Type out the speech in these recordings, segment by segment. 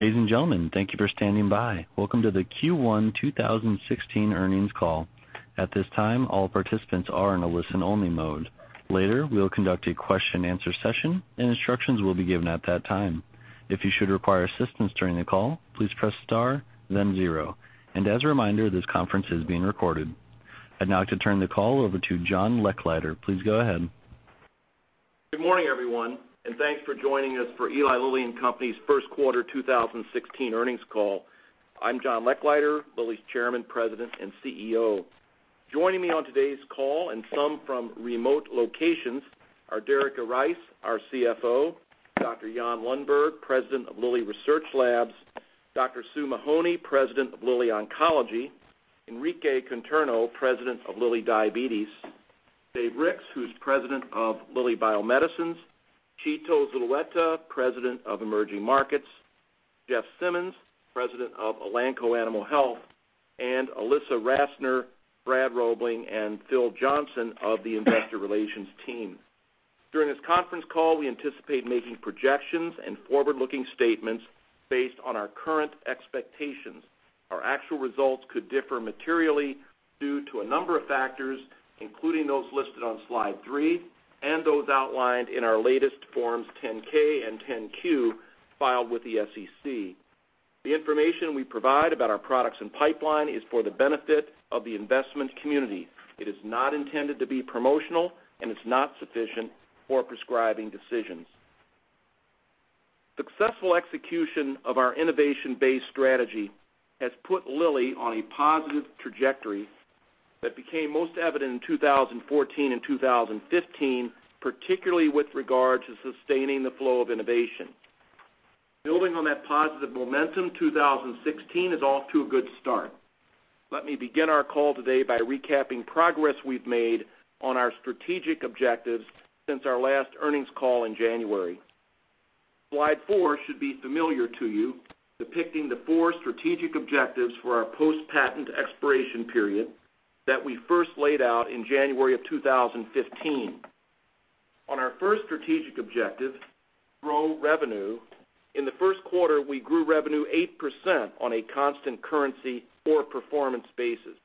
Ladies and gentlemen, thank you for standing by. Welcome to the Q1 2016 earnings call. At this time, all participants are in a listen-only mode. Later, we'll conduct a question and answer session, and instructions will be given at that time. If you should require assistance during the call, please press star then zero. As a reminder, this conference is being recorded. I'd now like to turn the call over to John Lechleiter. Please go ahead. Good morning, everyone, and thanks for joining us for Eli Lilly and Company's first quarter 2016 earnings call. I'm John Lechleiter, Lilly's Chairman, President, and CEO. Joining me on today's call, and some from remote locations, are Derica Rice, our CFO; Dr. Jan Lundberg, President of Lilly Research Laboratories; Dr. Susan Mahony, President of Lilly Oncology; Enrique Conterno, President of Lilly Diabetes; Dave Ricks, who's President of Lilly Bio-Medicines; Alfonso Zulueta, President of Emerging Markets; Jeff Simmons, President of Elanco Animal Health; and Ilissa Rassner, Brad Robling, and Phil Johnson of the investor relations team. During this conference call, we anticipate making projections and forward-looking statements based on our current expectations. Our actual results could differ materially due to a number of factors, including those listed on slide three and those outlined in our latest forms 10-K and 10-Q filed with the SEC. The information we provide about our products and pipeline is for the benefit of the investment community. It is not intended to be promotional, and it's not sufficient for prescribing decisions. Successful execution of our innovation-based strategy has put Lilly on a positive trajectory that became most evident in 2014 and 2015, particularly with regard to sustaining the flow of innovation. Building on that positive momentum, 2016 is off to a good start. Let me begin our call today by recapping progress we've made on our strategic objectives since our last earnings call in January. Slide four should be familiar to you, depicting the four strategic objectives for our post-patent expiration period that we first laid out in January of 2015. On our first strategic objective, grow revenue, in the first quarter, we grew revenue 8% on a constant currency core performance basis.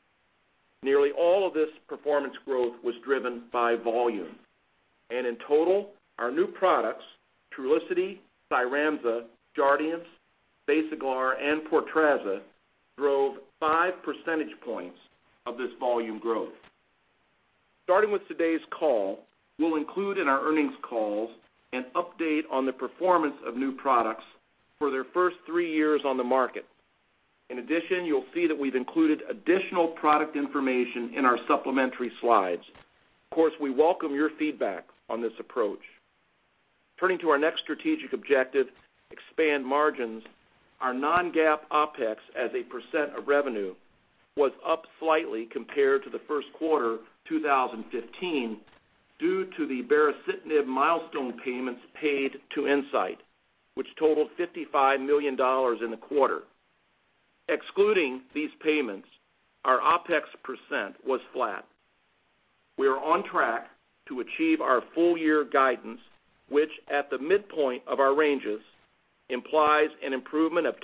In total, our new products, Trulicity, CYRAMZA, Jardiance, BASAGLAR, and Portrazza, drove five percentage points of this volume growth. Starting with today's call, we'll include in our earnings calls an update on the performance of new products for their first three years on the market. In addition, you'll see that we've included additional product information in our supplementary slides. Of course, we welcome your feedback on this approach. Turning to our next strategic objective, expand margins, our non-GAAP OPEX as a percent of revenue was up slightly compared to the first quarter 2015 due to the baricitinib milestone payments paid to Incyte, which totaled $55 million in the quarter. Excluding these payments, our OPEX % was flat. We are on track to achieve our full-year guidance, which at the midpoint of our ranges implies an improvement of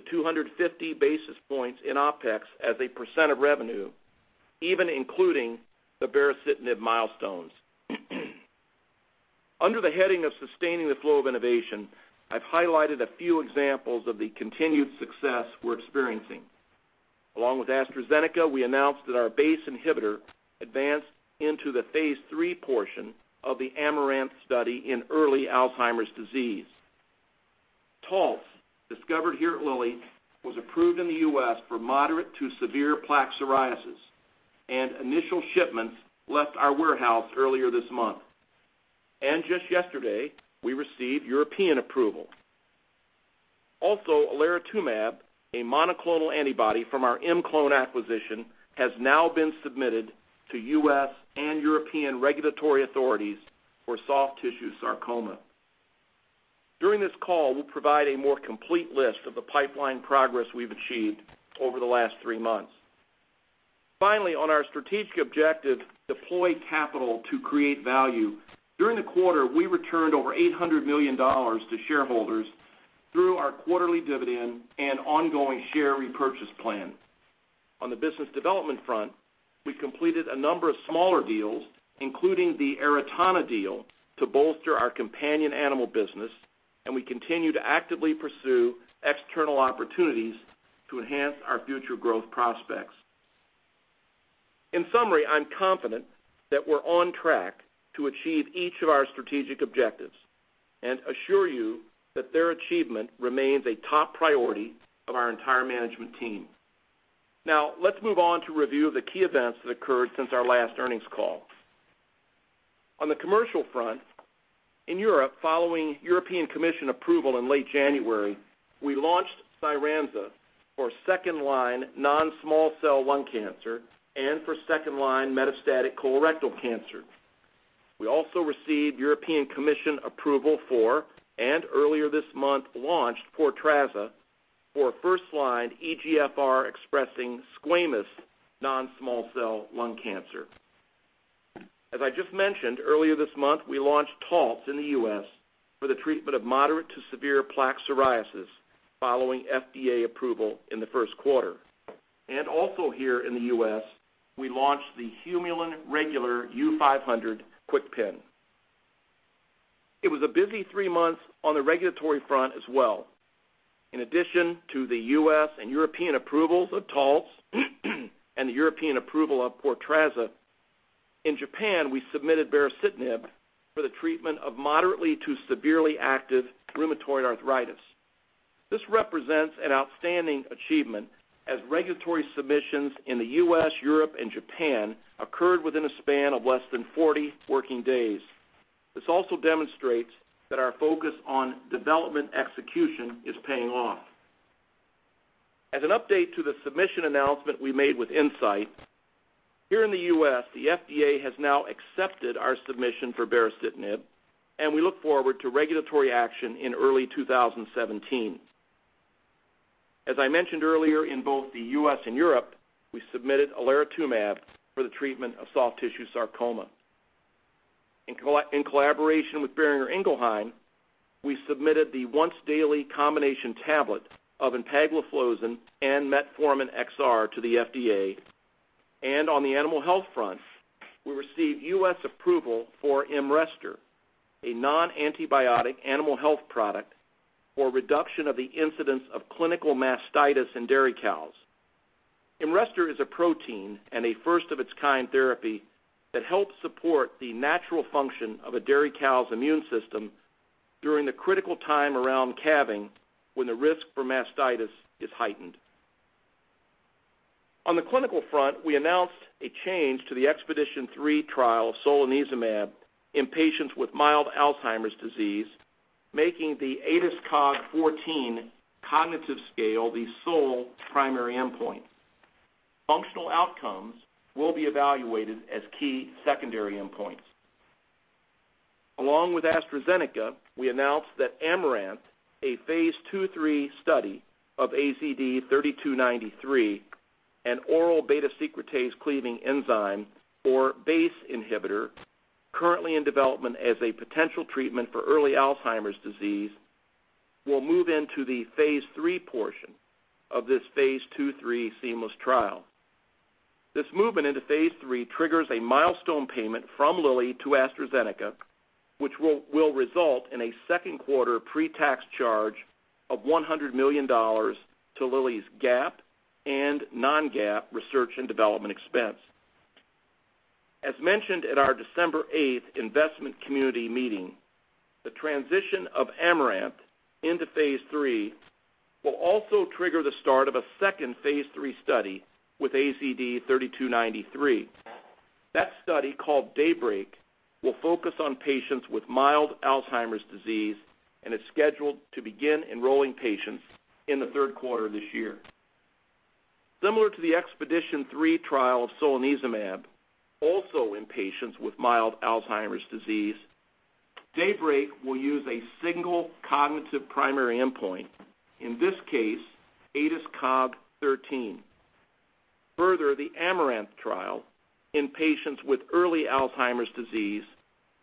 200-250 basis points in OPEX as a percent of revenue, even including the baricitinib milestones. Under the heading of sustaining the flow of innovation, I've highlighted a few examples of the continued success we're experiencing. Along with AstraZeneca, we announced that our BACE inhibitor advanced into the phase III portion of the AMARANTH study in early Alzheimer's disease. Taltz, discovered here at Lilly, was approved in the U.S. for moderate to severe plaque psoriasis, and initial shipments left our warehouse earlier this month. Just yesterday, we received European approval. Also, olaratumab, a monoclonal antibody from our ImClone acquisition, has now been submitted to U.S. and European regulatory authorities for soft tissue sarcoma. During this call, we'll provide a more complete list of the pipeline progress we've achieved over the last 3 months. Finally, on our strategic objective, deploy capital to create value, during the quarter, we returned over $800 million to shareholders through our quarterly dividend and ongoing share repurchase plan. On the business development front, we completed a number of smaller deals, including the Aratana deal to bolster our companion animal business, and we continue to actively pursue external opportunities to enhance our future growth prospects. In summary, I'm confident that we're on track to achieve each of our strategic objectives and assure you that their achievement remains a top priority of our entire management team. Now, let's move on to review the key events that occurred since our last earnings call. On the commercial front, in Europe, following European Commission approval in late January, we launched CYRAMZA for second-line non-small cell lung cancer and for second-line metastatic colorectal cancer. We also received European Commission approval for, and earlier this month launched Portrazza for first-line EGFR-expressing squamous non-small cell lung cancer. As I just mentioned, earlier this month, we launched Taltz in the U.S. for the treatment of moderate to severe plaque psoriasis following FDA approval in the first quarter. Also here in the U.S., we launched the Humulin R U-500 KwikPen. It was a busy three months on the regulatory front as well. In addition to the U.S. and European approvals of Taltz and the European approval of Portrazza, in Japan, we submitted baricitinib for the treatment of moderately to severely active rheumatoid arthritis. This represents an outstanding achievement as regulatory submissions in the U.S., Europe, and Japan occurred within a span of less than 40 working days. This also demonstrates that our focus on development execution is paying off. As an update to the submission announcement we made with Incyte, here in the U.S., the FDA has now accepted our submission for baricitinib, and we look forward to regulatory action in early 2017. As I mentioned earlier, in both the U.S. and Europe, we submitted olaratumab for the treatment of soft tissue sarcoma. In collaboration with Boehringer Ingelheim, we submitted the once-daily combination tablet of empagliflozin and metformin XR to the FDA. On the animal health front, we received U.S. approval for Imrestor, a non-antibiotic animal health product for reduction of the incidence of clinical mastitis in dairy cows. Imrestor is a protein and a first-of-its-kind therapy that helps support the natural function of a dairy cow's immune system during the critical time around calving when the risk for mastitis is heightened. On the clinical front, we announced a change to the EXPEDITION3 trial of solanezumab in patients with mild Alzheimer's disease, making the ADAS-Cog14 cognitive scale the sole primary endpoint. Functional outcomes will be evaluated as key secondary endpoints. Along with AstraZeneca, we announced that AMARANTH, a phase II/III study of AZD3293, an oral beta-secretase cleaving enzyme or BACE inhibitor currently in development as a potential treatment for early Alzheimer's disease, will move into the phase III portion of this phase II/III seamless trial. This movement into phase III triggers a milestone payment from Lilly to AstraZeneca, which will result in a second quarter pre-tax charge of $100 million to Lilly's GAAP and non-GAAP research and development expense. As mentioned at our December 8th investment community meeting, the transition of AMARANTH into phase III will also trigger the start of a second phase III study with AZD3293. That study, called DAYBREAK, will focus on patients with mild Alzheimer's disease and is scheduled to begin enrolling patients in the third quarter of this year. Similar to the EXPEDITION3 trial of solanezumab, also in patients with mild Alzheimer's disease, DAYBREAK will use a single cognitive primary endpoint, in this case, ADAS-Cog13. The AMARANTH trial in patients with early Alzheimer's disease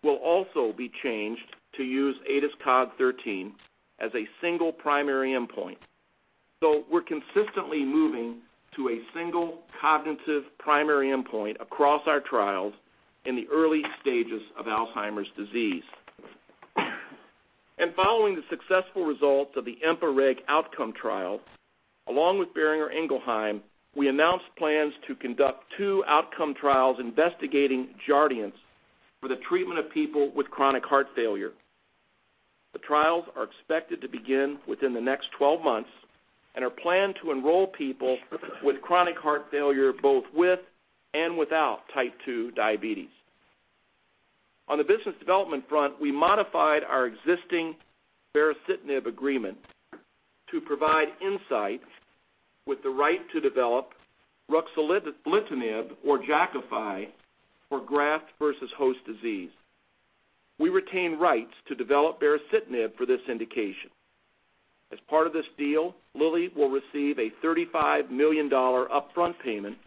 will also be changed to use ADAS-Cog13 as a single primary endpoint. We're consistently moving to a single cognitive primary endpoint across our trials in the early stages of Alzheimer's disease. Following the successful results of the EMPA-REG OUTCOME trials, along with Boehringer Ingelheim, we announced plans to conduct two outcome trials investigating Jardiance for the treatment of people with chronic heart failure. The trials are expected to begin within the next 12 months and are planned to enroll people with chronic heart failure, both with and without type 2 diabetes. On the business development front, we modified our existing baricitinib agreement to provide Incyte with the right to develop ruxolitinib or Jakafi for graft versus host disease. We retain rights to develop baricitinib for this indication. As part of this deal, Lilly will receive a $35 million upfront payment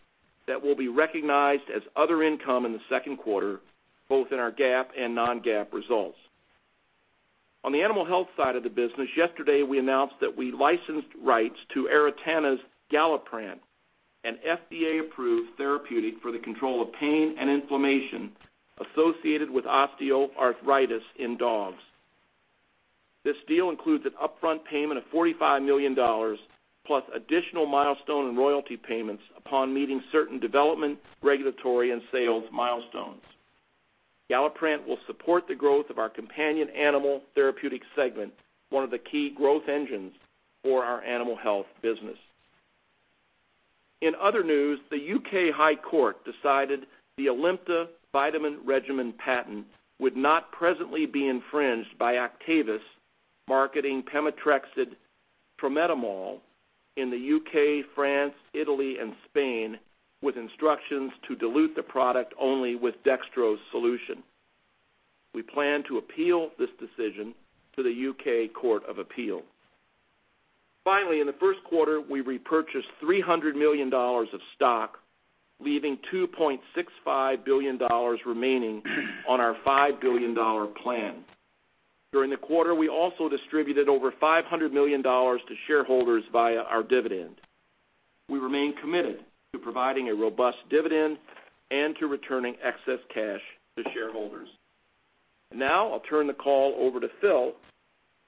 that will be recognized as other income in the second quarter, both in our GAAP and non-GAAP results. On the animal health side of the business, yesterday we announced that we licensed rights to Aratana's Galliprant, an FDA-approved therapeutic for the control of pain and inflammation associated with osteoarthritis in dogs. This deal includes an upfront payment of $45 million plus additional milestone and royalty payments upon meeting certain development, regulatory, and sales milestones. Galliprant will support the growth of our companion animal therapeutics segment, one of the key growth engines for our animal health business. In other news, the U.K. High Court decided the ALIMTA vitamin regimen patent would not presently be infringed by Actavis marketing pemetrexed for mesothelioma in the U.K., France, Italy, and Spain, with instructions to dilute the product only with dextrose solution. We plan to appeal this decision to the U.K. Court of Appeal. In the first quarter, we repurchased $300 million of stock, leaving $2.65 billion remaining on our $5 billion plan. During the quarter, we also distributed over $500 million to shareholders via our dividend. We remain committed to providing a robust dividend and to returning excess cash to shareholders. I'll turn the call over to Phil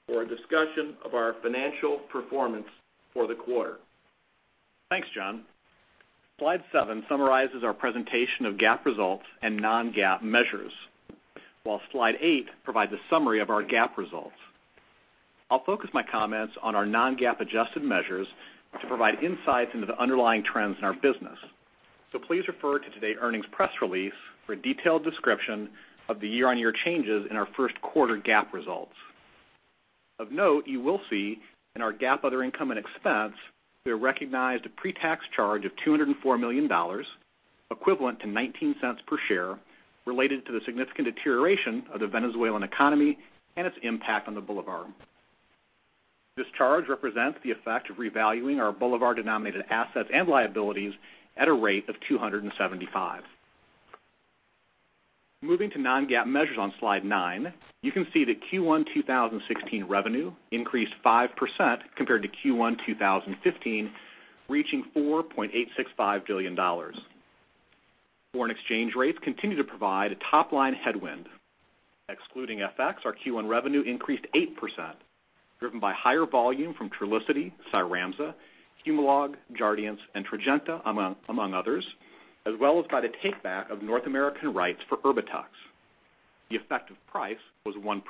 for a discussion of our financial performance for the quarter. Thanks, John. Slide seven summarizes our presentation of GAAP results and non-GAAP measures, while slide eight provides a summary of our GAAP results. I'll focus my comments on our non-GAAP adjusted measures to provide insights into the underlying trends in our business. Please refer to today's earnings press release for a detailed description of the year-on-year changes in our first quarter GAAP results. Of note, you will see in our GAAP other income and expense, we have recognized a pre-tax charge of $204 million, equivalent to $0.19 per share, related to the significant deterioration of the Venezuelan economy and its impact on the bolivar. This charge represents the effect of revaluing our bolivar-denominated assets and liabilities at a rate of 275. Moving to non-GAAP measures on Slide 9, you can see that Q1 2016 revenue increased 5% compared to Q1 2015, reaching $4.865 billion. Foreign exchange rates continue to provide a top-line headwind. Excluding FX, our Q1 revenue increased 8%, driven by higher volume from Trulicity, CYRAMZA, Humalog, Jardiance, and Tradjenta, among others, as well as by the take-back of North American rights for ERBITUX. The effect of price was 1%.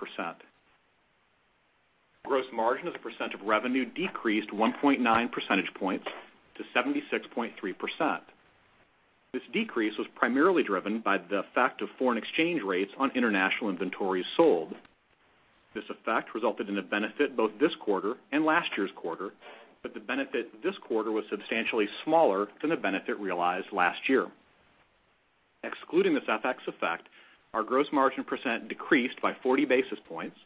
Gross margin as a % of revenue decreased 1.9 percentage points to 76.3%. This decrease was primarily driven by the effect of foreign exchange rates on international inventories sold. This effect resulted in a benefit both this quarter and last year's quarter, but the benefit this quarter was substantially smaller than the benefit realized last year. Excluding this FX effect, our gross margin % decreased by 40 basis points,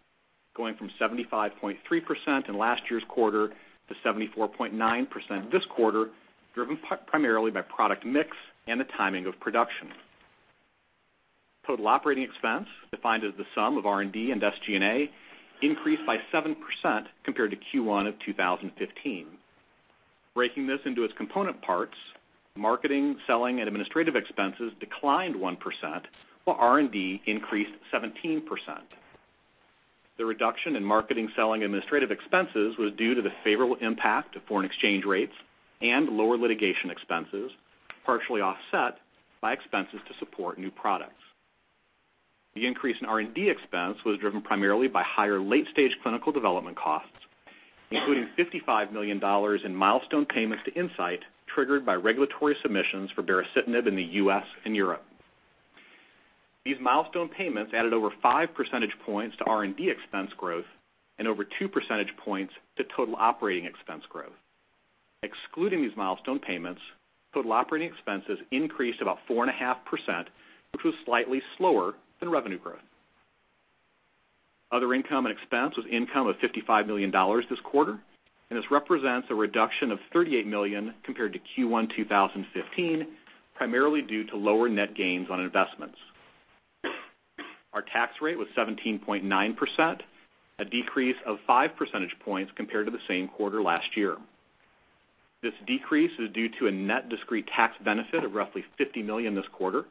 going from 75.3% in last year's quarter to 74.9% this quarter, driven primarily by product mix and the timing of production. Total operating expense, defined as the sum of R&D and SG&A, increased by 7% compared to Q1 of 2015. Breaking this into its component parts, marketing, selling, and administrative expenses declined 1%, while R&D increased 17%. The reduction in marketing, selling, and administrative expenses was due to the favorable impact of foreign exchange rates and lower litigation expenses, partially offset by expenses to support new products. The increase in R&D expense was driven primarily by higher late-stage clinical development costs, including $55 million in milestone payments to Incyte, triggered by regulatory submissions for baricitinib in the U.S. and Europe. These milestone payments added over five percentage points to R&D expense growth and over two percentage points to total operating expense growth. Excluding these milestone payments, total operating expenses increased about 4.5%, which was slightly slower than revenue growth. Other income and expense was income of $55 million this quarter, and this represents a reduction of $38 million compared to Q1 2015, primarily due to lower net gains on investments. Our tax rate was 17.9%, a decrease of five percentage points compared to the same quarter last year. This decrease is due to a net discrete tax benefit of roughly $50 million this quarter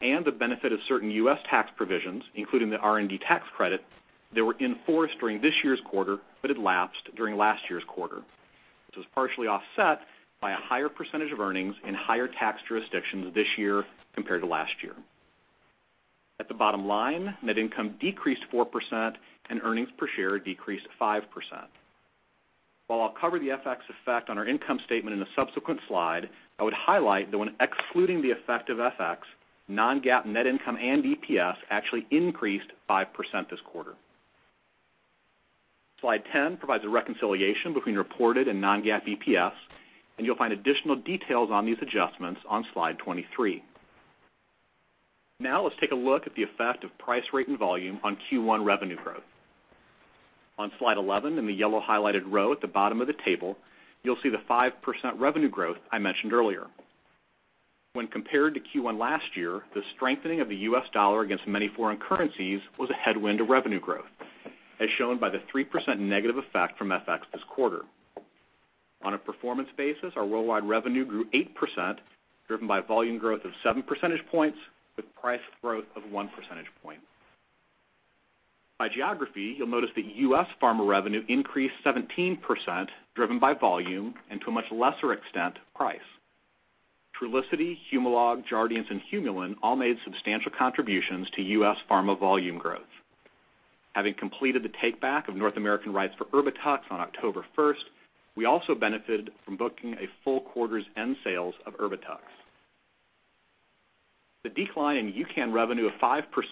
and the benefit of certain U.S. tax provisions, including the R&D tax credit, that were in force during this year's quarter but had lapsed during last year's quarter. This was partially offset by a higher percentage of earnings in higher tax jurisdictions this year compared to last year. At the bottom line, net income decreased 4% and earnings per share decreased 5%. I'll cover the FX effect on our income statement in a subsequent slide, I would highlight that when excluding the effect of FX, non-GAAP net income and EPS actually increased 5% this quarter. Slide 10 provides a reconciliation between reported and non-GAAP EPS, and you'll find additional details on these adjustments on Slide 23. Now let's take a look at the effect of price, rate, and volume on Q1 revenue growth. On Slide 11, in the yellow highlighted row at the bottom of the table, you'll see the 5% revenue growth I mentioned earlier. When compared to Q1 last year, the strengthening of the U.S. dollar against many foreign currencies was a headwind to revenue growth, as shown by the 3% negative effect from FX this quarter. On a performance basis, our worldwide revenue grew 8%, driven by volume growth of seven percentage points with price growth of one percentage point. By geography, you'll notice that U.S. pharma revenue increased 17%, driven by volume and to a much lesser extent, price. Trulicity, Humalog, Jardiance, and Humulin all made substantial contributions to U.S. pharma volume growth. Having completed the take-back of North American rights for ERBITUX on October 1st, we also benefited from booking a full quarter's end sales of ERBITUX. The decline in EUCAN revenue of 5% was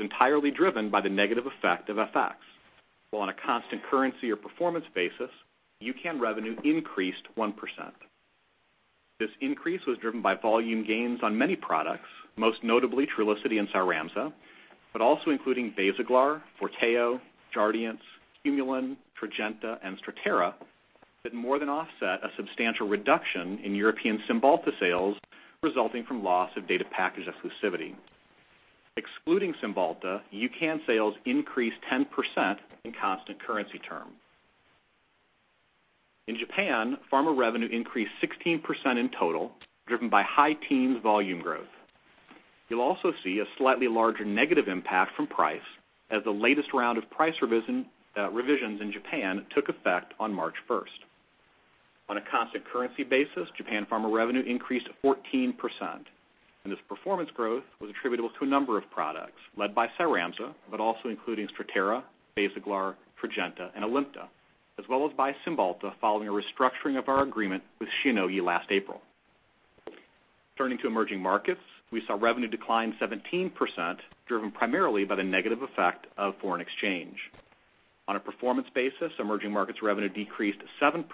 entirely driven by the negative effect of FX. While on a constant currency or performance basis, EUCAN revenue increased 1%. This increase was driven by volume gains on many products, most notably Trulicity and CYRAMZA, but also including BASAGLAR, Forteo, Jardiance, Humulin, Tradjenta, and Strattera, that more than offset a substantial reduction in European Cymbalta sales resulting from loss of data package exclusivity. Excluding Cymbalta, EUCAN sales increased 10% in constant currency terms. In Japan pharma revenue increased 16% in total, driven by high teens volume growth. You'll also see a slightly larger negative impact from price as the latest round of price revisions in Japan took effect on March 1st. On a constant currency basis, Japan pharma revenue increased 14%, and this performance growth was attributable to a number of products, led by CYRAMZA, but also including Strattera, BASAGLAR, Tradjenta, and ALIMTA, as well as by Cymbalta, following a restructuring of our agreement with Shionogi last April. Turning to emerging markets, we saw revenue decline 17%, driven primarily by the negative effect of foreign exchange. On a performance basis, emerging markets revenue decreased 7%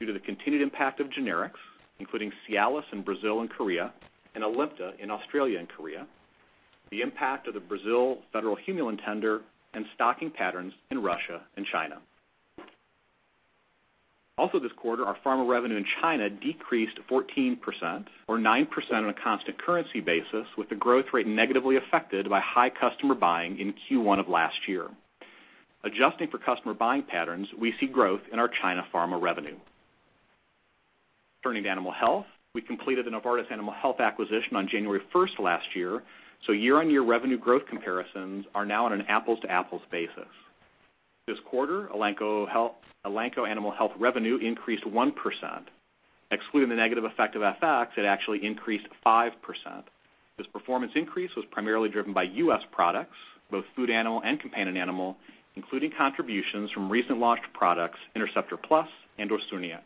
due to the continued impact of generics, including Cialis in Brazil and Korea, and ALIMTA in Australia and Korea, the impact of the Brazil federal Humulin tender, and stocking patterns in Russia and China. Also this quarter, our pharma revenue in China decreased 14%, or 9% on a constant currency basis, with the growth rate negatively affected by high customer buying in Q1 of last year. Adjusting for customer buying patterns, we see growth in our China pharma revenue. Turning to animal health, we completed the Novartis Animal Health acquisition on January 1st last year, so year-on-year revenue growth comparisons are now on an apples-to-apples basis. This quarter, Elanco Animal Health revenue increased 1%. Excluding the negative effect of FX, it actually increased 5%. This performance increase was primarily driven by U.S. products, both food animal and companion animal, including contributions from recent launched products, Interceptor Plus and Osurnia.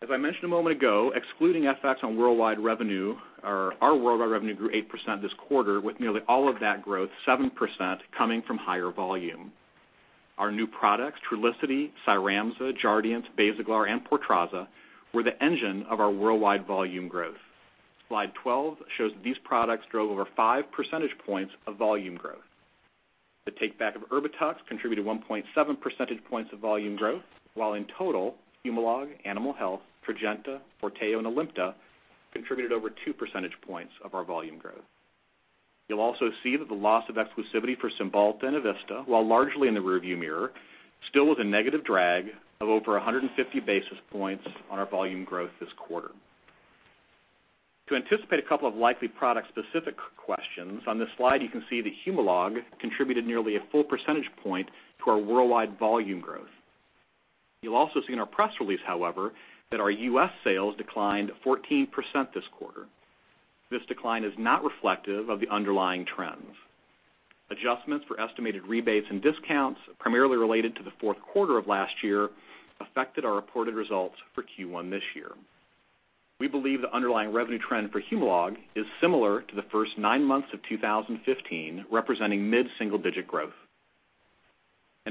As I mentioned a moment ago, excluding FX on worldwide revenue, our worldwide revenue grew 8% this quarter, with nearly all of that growth, 7%, coming from higher volume. Our new products, Trulicity, CYRAMZA, Jardiance, BASAGLAR, and Portrazza, were the engine of our worldwide volume growth. Slide 12 shows these products drove over five percentage points of volume growth. The takeback of ERBITUX contributed 1.7 percentage points of volume growth, while in total, Humalog, Animal Health, Tradjenta, Forteo, and ALIMTA contributed over two percentage points of our volume growth. You'll also see that the loss of exclusivity for Cymbalta and Evista, while largely in the rearview mirror, still was a negative drag of over 150 basis points on our volume growth this quarter. To anticipate a couple of likely product-specific questions, on this slide you can see that Humalog contributed nearly a full percentage point to our worldwide volume growth. You'll also see in our press release, however, that our U.S. sales declined 14% this quarter. This decline is not reflective of the underlying trends. Adjustments for estimated rebates and discounts, primarily related to the fourth quarter of last year, affected our reported results for Q1 this year. We believe the underlying revenue trend for Humalog is similar to the first nine months of 2015, representing mid-single-digit growth.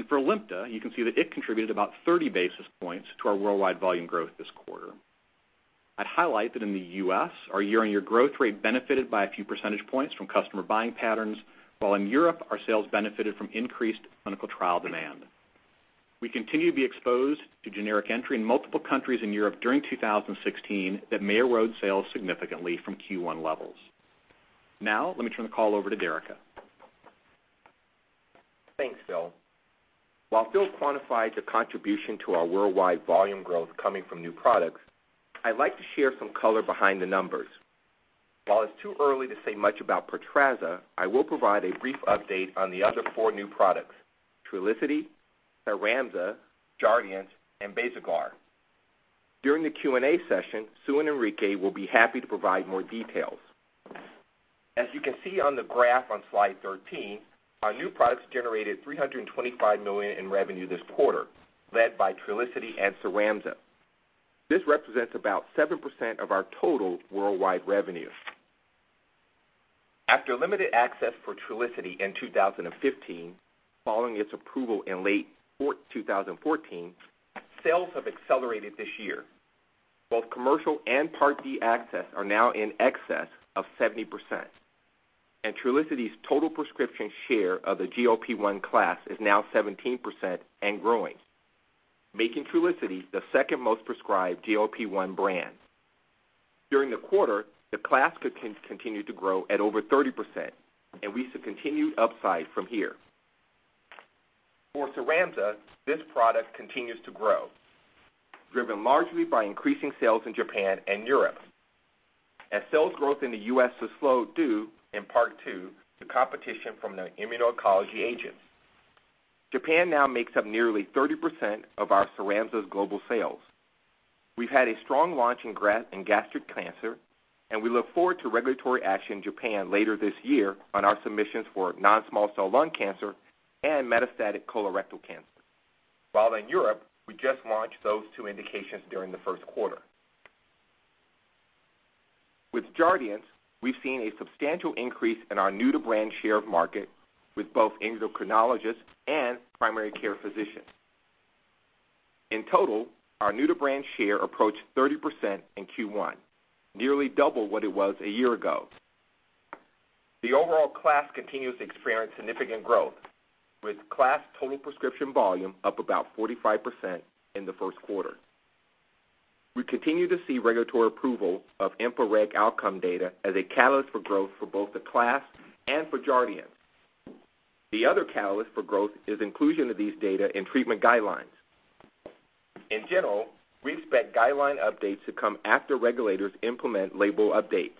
For ALIMTA, you can see that it contributed about 30 basis points to our worldwide volume growth this quarter. I'd highlight that in the U.S., our year-on-year growth rate benefited by a few percentage points from customer buying patterns, while in Europe, our sales benefited from increased clinical trial demand. We continue to be exposed to generic entry in multiple countries in Europe during 2016 that may erode sales significantly from Q1 levels. Let me turn the call over to Derica. Thanks, Phil. While Phil quantified the contribution to our worldwide volume growth coming from new products, I'd like to share some color behind the numbers. While it's too early to say much about Portrazza, I will provide a brief update on the other four new products, Trulicity, CYRAMZA, Jardiance, and BASAGLAR. During the Q&A session, Sue and Enrique will be happy to provide more details. As you can see on the graph on slide 13, our new products generated $325 million in revenue this quarter, led by Trulicity and CYRAMZA. This represents about 7% of our total worldwide revenue. After limited access for Trulicity in 2015, following its approval in late 2014, sales have accelerated this year. Both commercial and Medicare Part D access are now in excess of 70%, and Trulicity's total prescription share of the GLP-1 class is now 17% and growing, making Trulicity the second most prescribed GLP-1 brand. During the quarter, the class continued to grow at over 30%, and we see continued upside from here. For CYRAMZA, this product continues to grow, driven largely by increasing sales in Japan and Europe, as sales growth in the U.S. has slowed due, in part to, the competition from the immuno-oncology agents. Japan now makes up nearly 30% of our CYRAMZA's global sales. We've had a strong launch in gastric cancer, and we look forward to regulatory action in Japan later this year on our submissions for non-small cell lung cancer and metastatic colorectal cancer. While in Europe, we just launched those two indications during the first quarter. With Jardiance, we've seen a substantial increase in our new-to-brand share of market with both endocrinologists and primary care physicians. In total, our new-to-brand share approached 30% in Q1, nearly double what it was a year ago. The overall class continues to experience significant growth, with class total prescription volume up about 45% in the first quarter. We continue to see regulatory approval of EMPA-REG OUTCOME data as a catalyst for growth for both the class and for Jardiance. The other catalyst for growth is inclusion of these data in treatment guidelines. In general, we expect guideline updates to come after regulators implement label updates,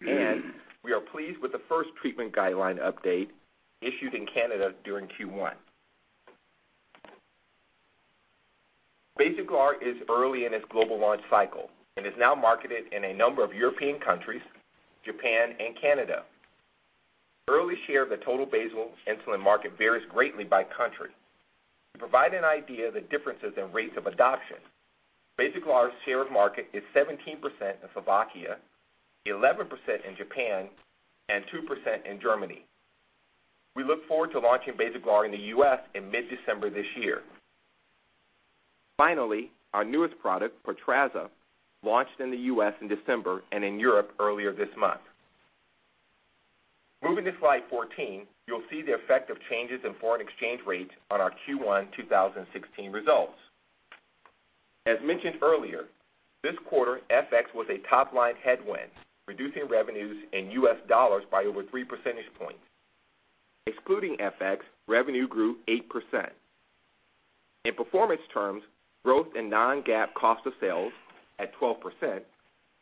and we are pleased with the first treatment guideline update issued in Canada during Q1. BASAGLAR is early in its global launch cycle and is now marketed in a number of European countries, Japan, and Canada. Early share of the total basal insulin market varies greatly by country. To provide an idea of the differences in rates of adoption, BASAGLAR's share of market is 17% in Slovakia, 11% in Japan, and 2% in Germany. We look forward to launching BASAGLAR in the U.S. in mid-December this year. Finally, our newest product, Portrazza, launched in the U.S. in December and in Europe earlier this month. Moving to slide 14, you'll see the effect of changes in foreign exchange rates on our Q1 2016 results. As mentioned earlier, this quarter, FX was a top-line headwind, reducing revenues in US dollars by over three percentage points. Excluding FX, revenue grew 8%. In performance terms, growth in non-GAAP cost of sales at 12%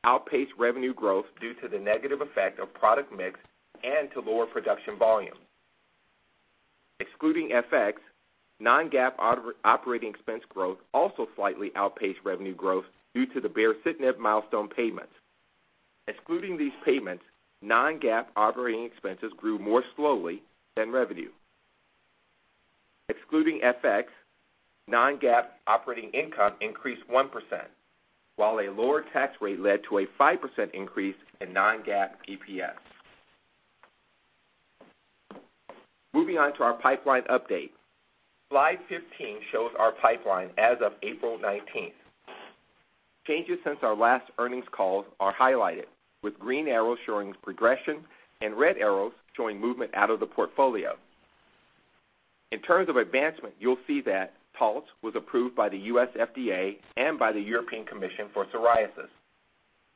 outpaced revenue growth due to the negative effect of product mix and to lower production volume. Excluding FX, non-GAAP operating expense growth also slightly outpaced revenue growth due to the baricitinib milestone payments. Excluding these payments, non-GAAP operating expenses grew more slowly than revenue. Excluding FX, non-GAAP operating income increased 1%, while a lower tax rate led to a 5% increase in non-GAAP EPS. Moving on to our pipeline update. Slide 15 shows our pipeline as of April 19th. Changes since our last earnings call are highlighted, with green arrows showing progression and red arrows showing movement out of the portfolio. In terms of advancement, you'll see that Taltz was approved by the U.S. FDA and by the European Commission for psoriasis.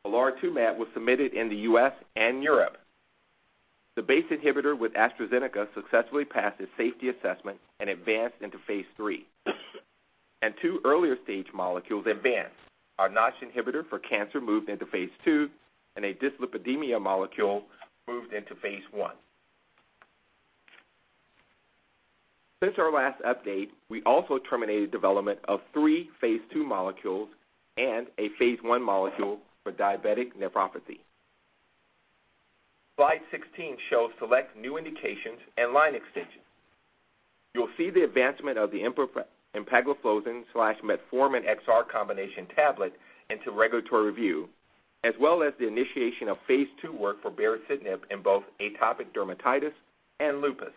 olaratumab was submitted in the U.S. and Europe. The BACE inhibitor with AstraZeneca successfully passed its safety assessment and advanced into phase III. Two earlier-stage molecules advanced. Our Notch inhibitor for cancer moved into phase II, and a dyslipidemia molecule moved into phase I. Since our last update, we also terminated development of 3 phase II molecules and a phase I molecule for diabetic nephropathy. Slide 16 shows select new indications and line extensions. You'll see the advancement of the empagliflozin/metformin XR combination tablet into regulatory review, as well as the initiation of phase II work for baricitinib in both atopic dermatitis and lupus.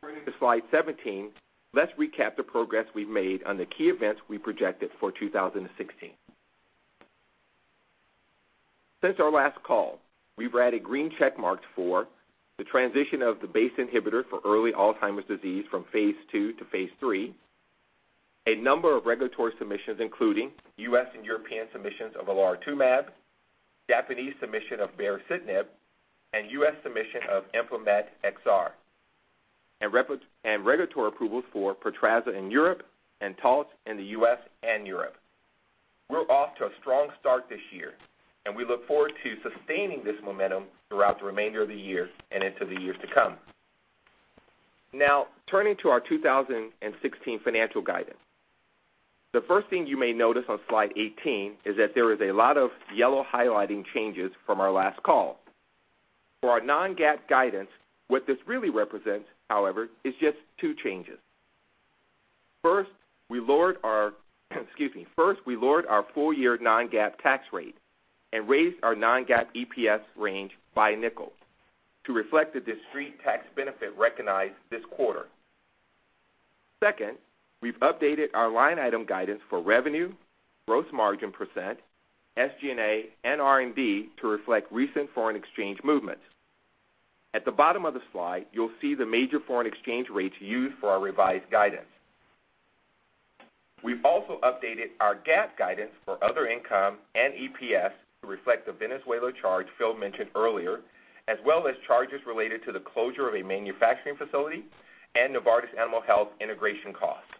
Turning to Slide 17, let's recap the progress we've made on the key events we projected for 2016. Since our last call, we've added green check marks for the transition of the BACE inhibitor for early Alzheimer's disease from phase II to phase III, a number of regulatory submissions, including U.S. and European submissions of olaratumab, Japanese submission of baricitinib, and U.S. submission of empagliflozin XR, and regulatory approvals for Portrazza in Europe and Taltz in the U.S. and Europe. We're off to a strong start this year, and we look forward to sustaining this momentum throughout the remainder of the year and into the years to come. Now, turning to our 2016 financial guidance. The first thing you may notice on Slide 18 is that there is a lot of yellow highlighting changes from our last call. For our non-GAAP guidance, what this really represents, however, is just two changes. First, we lowered our full-year non-GAAP tax rate and raised our non-GAAP EPS range by a nickel to reflect the discrete tax benefit recognized this quarter. Second, we've updated our line item guidance for revenue, gross margin percent, SG&A, and R&D to reflect recent foreign exchange movements. At the bottom of the slide, you'll see the major foreign exchange rates used for our revised guidance. We've also updated our GAAP guidance for other income and EPS to reflect the Venezuela charge Phil mentioned earlier, as well as charges related to the closure of a manufacturing facility and Novartis Animal Health integration costs.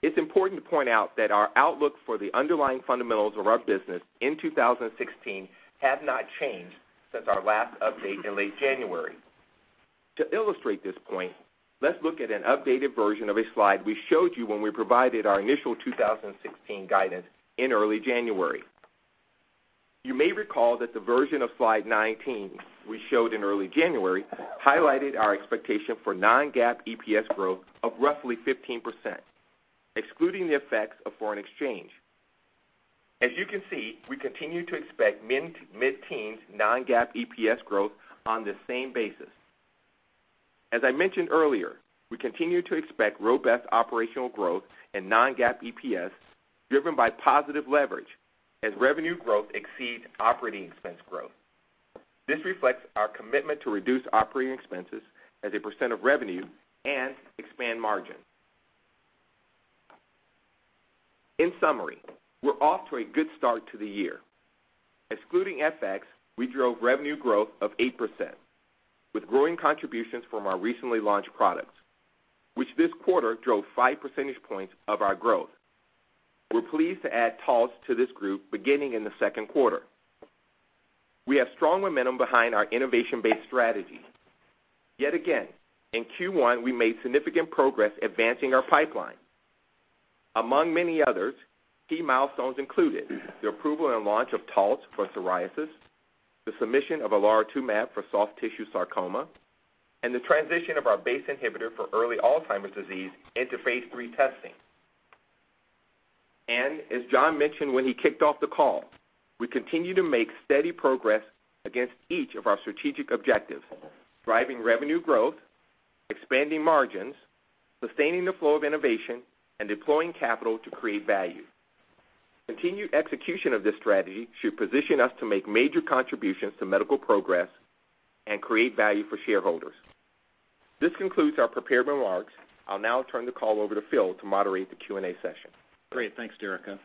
It's important to point out that our outlook for the underlying fundamentals of our business in 2016 have not changed since our last update in late January. To illustrate this point, let's look at an updated version of a slide we showed you when we provided our initial 2016 guidance in early January. You may recall that the version of slide 19 we showed in early January highlighted our expectation for non-GAAP EPS growth of roughly 15%, excluding the effects of foreign exchange. As you can see, we continue to expect mid-teens non-GAAP EPS growth on the same basis. As I mentioned earlier, we continue to expect robust operational growth and non-GAAP EPS driven by positive leverage as revenue growth exceeds operating expense growth. This reflects our commitment to reduce operating expenses as a percent of revenue and expand margin. In summary, we're off to a good start to the year. Excluding FX, we drove revenue growth of 8%, with growing contributions from our recently launched products, which this quarter drove five percentage points of our growth. We're pleased to add Taltz to this group beginning in the second quarter. We have strong momentum behind our innovation-based strategy. Yet again, in Q1, we made significant progress advancing our pipeline. Among many others, key milestones included the approval and launch of Taltz for psoriasis, the submission of olaratumab for soft tissue sarcoma, and the transition of our BACE inhibitor for early Alzheimer's disease into phase III testing. As John mentioned when he kicked off the call, we continue to make steady progress against each of our strategic objectives, driving revenue growth, expanding margins, sustaining the flow of innovation, and deploying capital to create value. Continued execution of this strategy should position us to make major contributions to medical progress and create value for shareholders. This concludes our prepared remarks. I'll now turn the call over to Phil to moderate the Q&A session. Great. Thanks, Derica.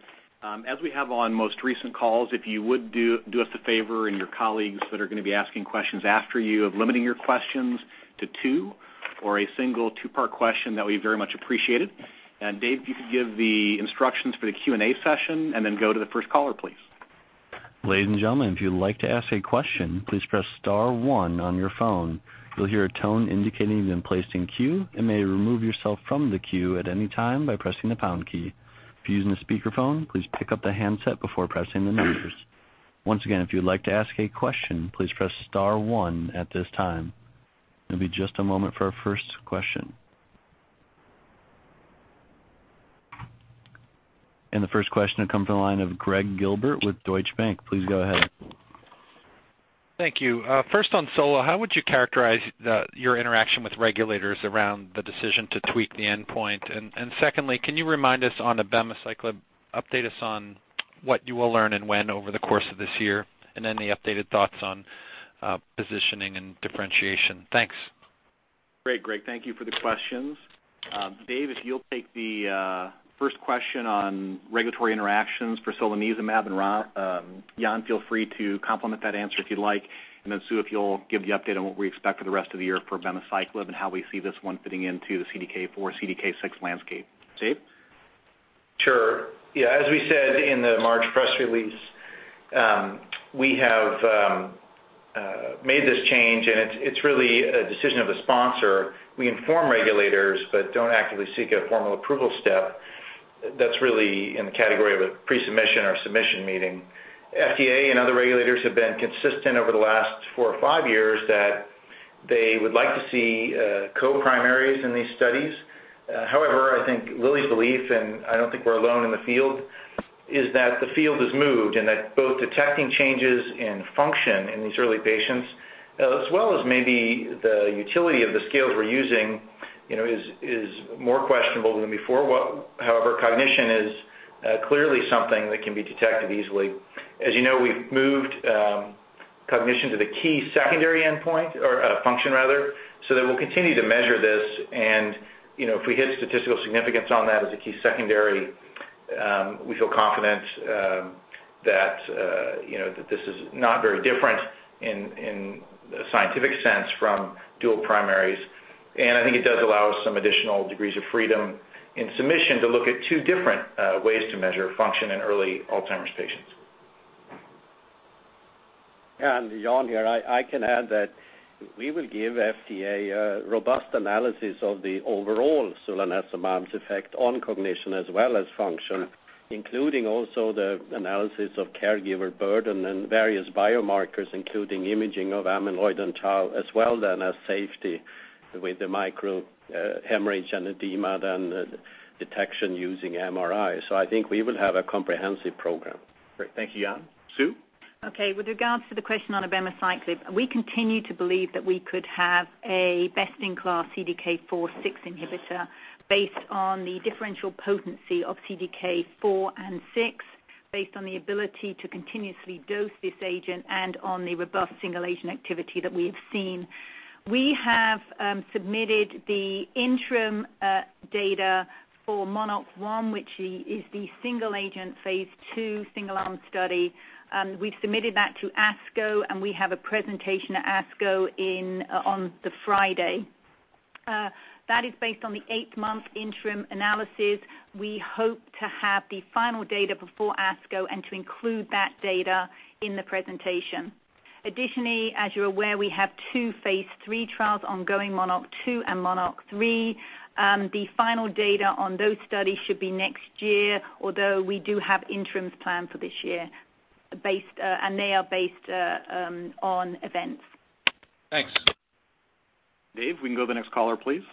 As we have on most recent calls, if you would do us a favor and your colleagues that are going to be asking questions after you of limiting your questions to two or a single two-part question, that would be very much appreciated. Dave, if you could give the instructions for the Q&A session and then go to the first caller, please. Ladies and gentlemen, if you'd like to ask a question, please press *1 on your phone. You'll hear a tone indicating you've been placed in queue and may remove yourself from the queue at any time by pressing the # key. If you're using a speakerphone, please pick up the handset before pressing the numbers. Once again, if you'd like to ask a question, please press *1 at this time. It'll be just a moment for our first question. The first question will come from the line of Gregg Gilbert with Deutsche Bank. Please go ahead. Thank you. First on sol, how would you characterize your interaction with regulators around the decision to tweak the endpoint? Secondly, can you remind us on abemaciclib, update us on what you will learn and when over the course of this year, and any updated thoughts on positioning and differentiation? Thanks. Great, Gregg. Thank you for the questions. Dave, if you'll take the first question on regulatory interactions for solanezumab, and Jan, feel free to complement that answer if you'd like, and then Sue, if you'll give the update on what we expect for the rest of the year for abemaciclib and how we see this one fitting into the CDK4/CDK6 landscape. Dave? Sure. Yeah, as we said in the March press release, we have made this change, and it's really a decision of the sponsor. We inform regulators but don't actively seek a formal approval step. That's really in the category of a pre-submission or submission meeting. FDA and other regulators have been consistent over the last four or five years that they would like to see co-primaries in these studies. However, I think Lilly's belief, and I don't think we're alone in the field, is that the field has moved and that both detecting changes in function in these early patients, as well as maybe the utility of the scales we're using is more questionable than before. However, cognition is clearly something that can be detected easily. As you know, we've moved cognition to the key secondary endpoint, or function rather, so that we'll continue to measure this, and if we hit statistical significance on that as a key secondary, we feel confident that this is not very different in a scientific sense from dual primaries. I think it does allow us some additional degrees of freedom in submission to look at two different ways to measure function in early Alzheimer's patients. Jan here. I can add that we will give FDA a robust analysis of the overall solanezumab's effect on cognition as well as function, including also the analysis of caregiver burden and various biomarkers, including imaging of amyloid and tau, as well then as safety with the micro hemorrhage and edema, detection using MRI. I think we will have a comprehensive program. Great. Thank you, Jan. Sue? Okay. With regards to the question on abemaciclib, we continue to believe that we could have a best-in-class CDK4/6 inhibitor based on the differential potency of CDK4 and 6, based on the ability to continuously dose this agent, and on the robust single-agent activity that we have seen. We have submitted the interim data for MONARCH-1, which is the single-agent phase II single arm study. We've submitted that to ASCO, and we have a presentation at ASCO on the Friday. That is based on the 8-month interim analysis. We hope to have the final data before ASCO and to include that data in the presentation. Additionally, as you're aware, we have two phase III trials ongoing, MONARCH 2 and MONARCH 3. The final data on those studies should be next year, although we do have interims planned for this year, and they are based on events. Thanks. Dave, we can go the next caller, please.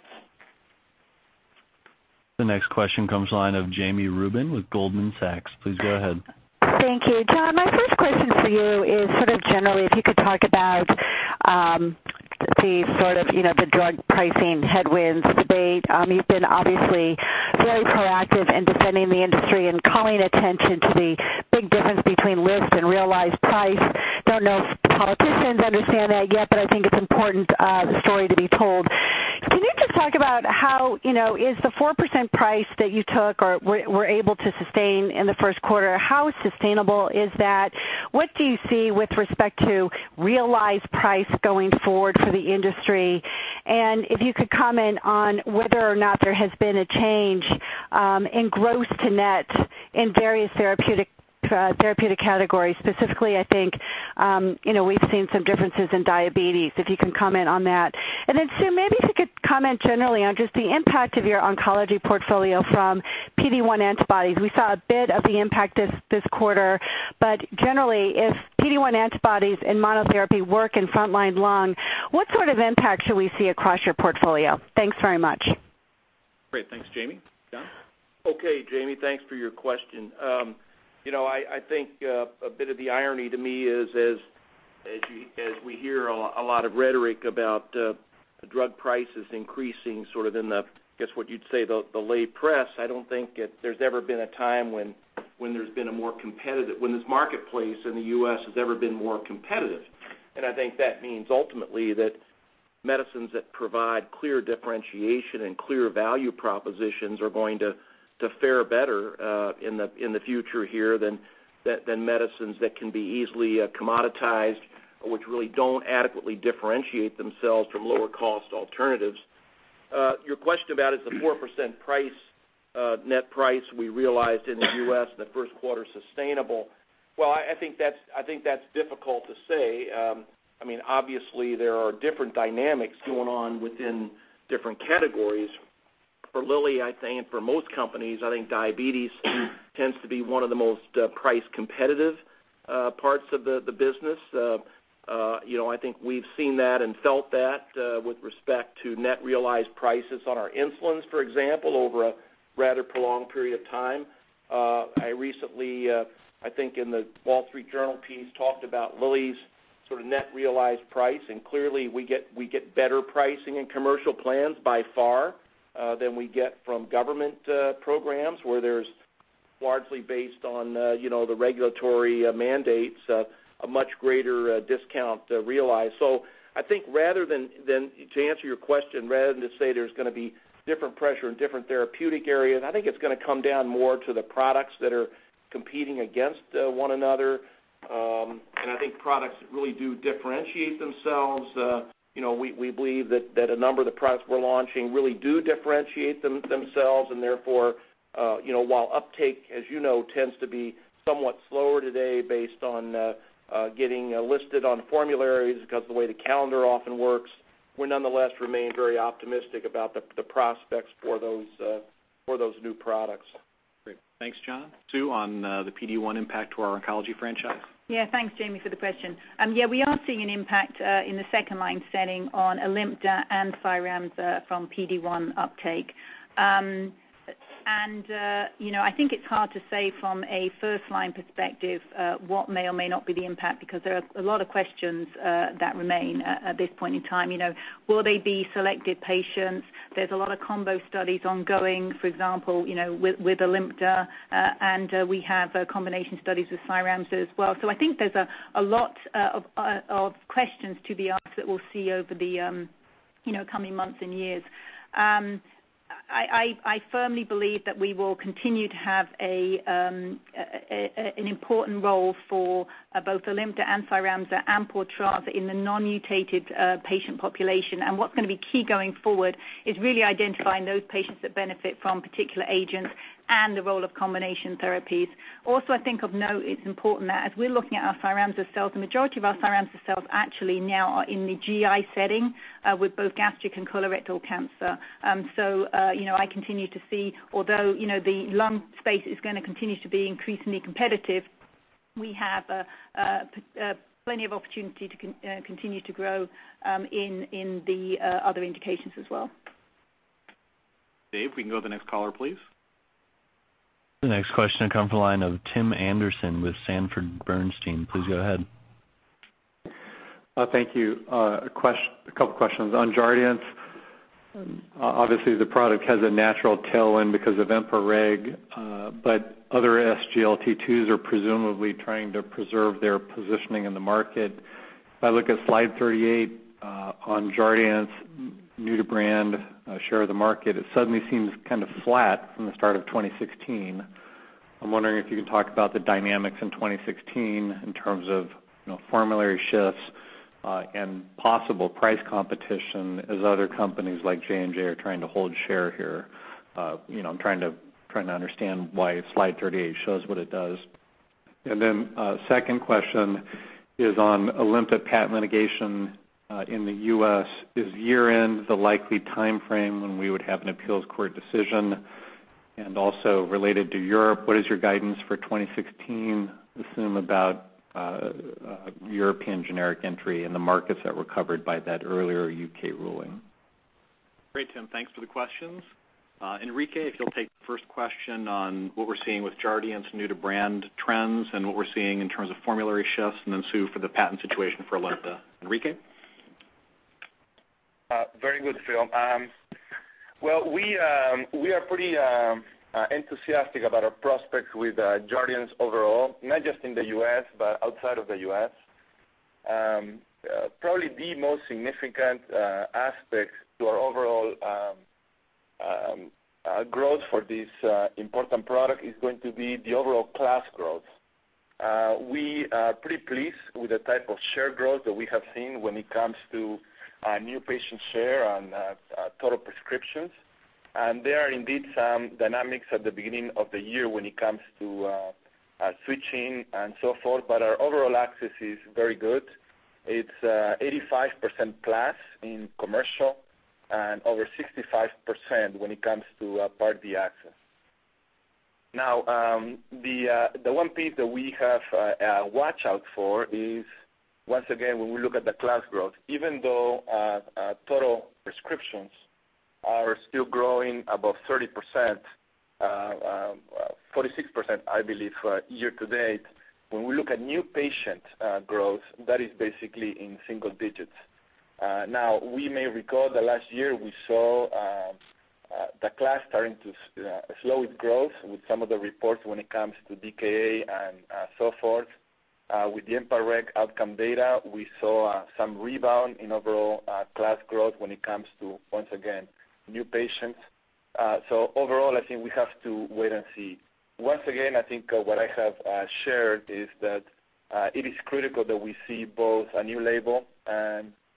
The next question comes line of Jami Rubin with Goldman Sachs. Please go ahead. Thank you. John, my first question for you is sort of generally, if you could talk about the sort of the drug pricing headwinds debate. You've been obviously very proactive in defending the industry and calling attention to the big difference between list and realized price. Don't know if politicians understand that yet, but I think it's an important story to be told. Can you just talk about how is the 4% price that you took or were able to sustain in the first quarter, how sustainable is that? What do you see with respect to realized price going forward for the industry? If you could comment on whether or not there has been a change in gross to net in various therapeutic categories. Specifically, I think, we've seen some differences in diabetes, if you can comment on that. Sue, maybe if you could comment generally on just the impact of your oncology portfolio from PD-1 antibodies. We saw a bit of the impact this quarter, but generally, if PD-1 antibodies and monotherapy work in front line lung, what sort of impact should we see across your portfolio? Thanks very much. Great. Thanks, Jami. John? Okay, Jami. Thanks for your question. I think a bit of the irony to me is as we hear a lot of rhetoric about drug prices increasing sort of in the, I guess what you'd say, the lay press, I don't think there's ever been a time when this marketplace in the U.S. has ever been more competitive. I think that means ultimately that medicines that provide clear differentiation and clear value propositions are going to fare better in the future here than medicines that can be easily commoditized, or which really don't adequately differentiate themselves from lower cost alternatives. Your question about is the 4% net price we realized in the U.S. in the first quarter sustainable? I think that's difficult to say. Obviously there are different dynamics going on within different categories. For Lilly, I think, and for most companies, I think diabetes tends to be one of the most price competitive parts of the business. I think we've seen that and felt that with respect to net realized prices on our insulins, for example, over a rather prolonged period of time. I recently, I think in The Wall Street Journal piece, talked about Lilly's sort of net realized price, and clearly we get better pricing in commercial plans by far than we get from government programs where there's largely based on the regulatory mandates, a much greater discount realized. I think to answer your question, rather than to say there's going to be different pressure in different therapeutic areas, I think it's going to come down more to the products that are competing against one another. I think products really do differentiate themselves. We believe that a number of the products we're launching really do differentiate themselves and therefore while uptake, as you know, tends to be somewhat slower today based on getting listed on formularies because the way the calendar often works, we nonetheless remain very optimistic about the prospects for those new products. Great. Thanks, John. Sue, on the PD-1 impact to our oncology franchise? Yeah, thanks Jami, for the question. Yeah, we are seeing an impact in the second-line setting on ALIMTA and CYRAMZA from PD-1 uptake. I think it's hard to say from a first-line perspective what may or may not be the impact because there are a lot of questions that remain at this point in time. Will they be selected patients? There's a lot of combo studies ongoing, for example, with ALIMTA, and we have combination studies with CYRAMZA as well. I think there's a lot of questions to be asked that we'll see over the coming months and years. I firmly believe that we will continue to have an important role for both ALIMTA and CYRAMZA and Portrazza in the non-mutated patient population. What's going to be key going forward is really identifying those patients that benefit from particular agents and the role of combination therapies. Also, I think of note, it's important that as we're looking at our CYRAMZA sales, the majority of our CYRAMZA sales actually now are in the GI setting with both gastric and colorectal cancer. I continue to see, although the lung space is going to continue to be increasingly competitive, we have plenty of opportunity to continue to grow in the other indications as well. Dave, we can go to the next caller, please. The next question will come from the line of Tim Anderson with Sanford C. Bernstein. Please go ahead. Thank you. A couple questions. On Jardiance, obviously the product has a natural tailwind because of EMPA-REG, but other SGLT2s are presumably trying to preserve their positioning in the market. If I look at slide 38 on Jardiance new to brand share of the market, it suddenly seems kind of flat from the start of 2016. I'm wondering if you can talk about the dynamics in 2016 in terms of formulary shifts. Possible price competition as other companies like J&J are trying to hold share here. I'm trying to understand why slide 38 shows what it does. Second question is on ALIMTA patent litigation in the U.S. Is year-end the likely timeframe when we would have an appeals court decision? Also related to Europe, what is your guidance for 2016, assume about European generic entry in the markets that were covered by that earlier U.K. ruling? Great, Tim. Thanks for the questions. Enrique, if you'll take the first question on what we're seeing with Jardiance new to brand trends and what we're seeing in terms of formulary shifts, and then Sue Mahony for the patent situation for ALIMTA. Enrique? Very good, Phil. Well, we are pretty enthusiastic about our prospects with Jardiance overall, not just in the U.S., but outside of the U.S. Probably the most significant aspect to our overall growth for this important product is going to be the overall class growth. We are pretty pleased with the type of share growth that we have seen when it comes to new patient share on total prescriptions. There are indeed some dynamics at the beginning of the year when it comes to switching and so forth, but our overall access is very good. It's 85% class in commercial and over 65% when it comes to Part D access. The one piece that we have watch out for is, once again, when we look at the class growth, even though total prescriptions are still growing above 30%, 46%, I believe, year to date, when we look at new patient growth, that is basically in single digits. We may recall that last year we saw the class starting to slow its growth with some of the reports when it comes to DKA and so forth. With the EMPA-REG OUTCOME data, we saw some rebound in overall class growth when it comes to, once again, new patients. Overall, I think we have to wait and see. Once again, I think what I have shared is that it is critical that we see both a new label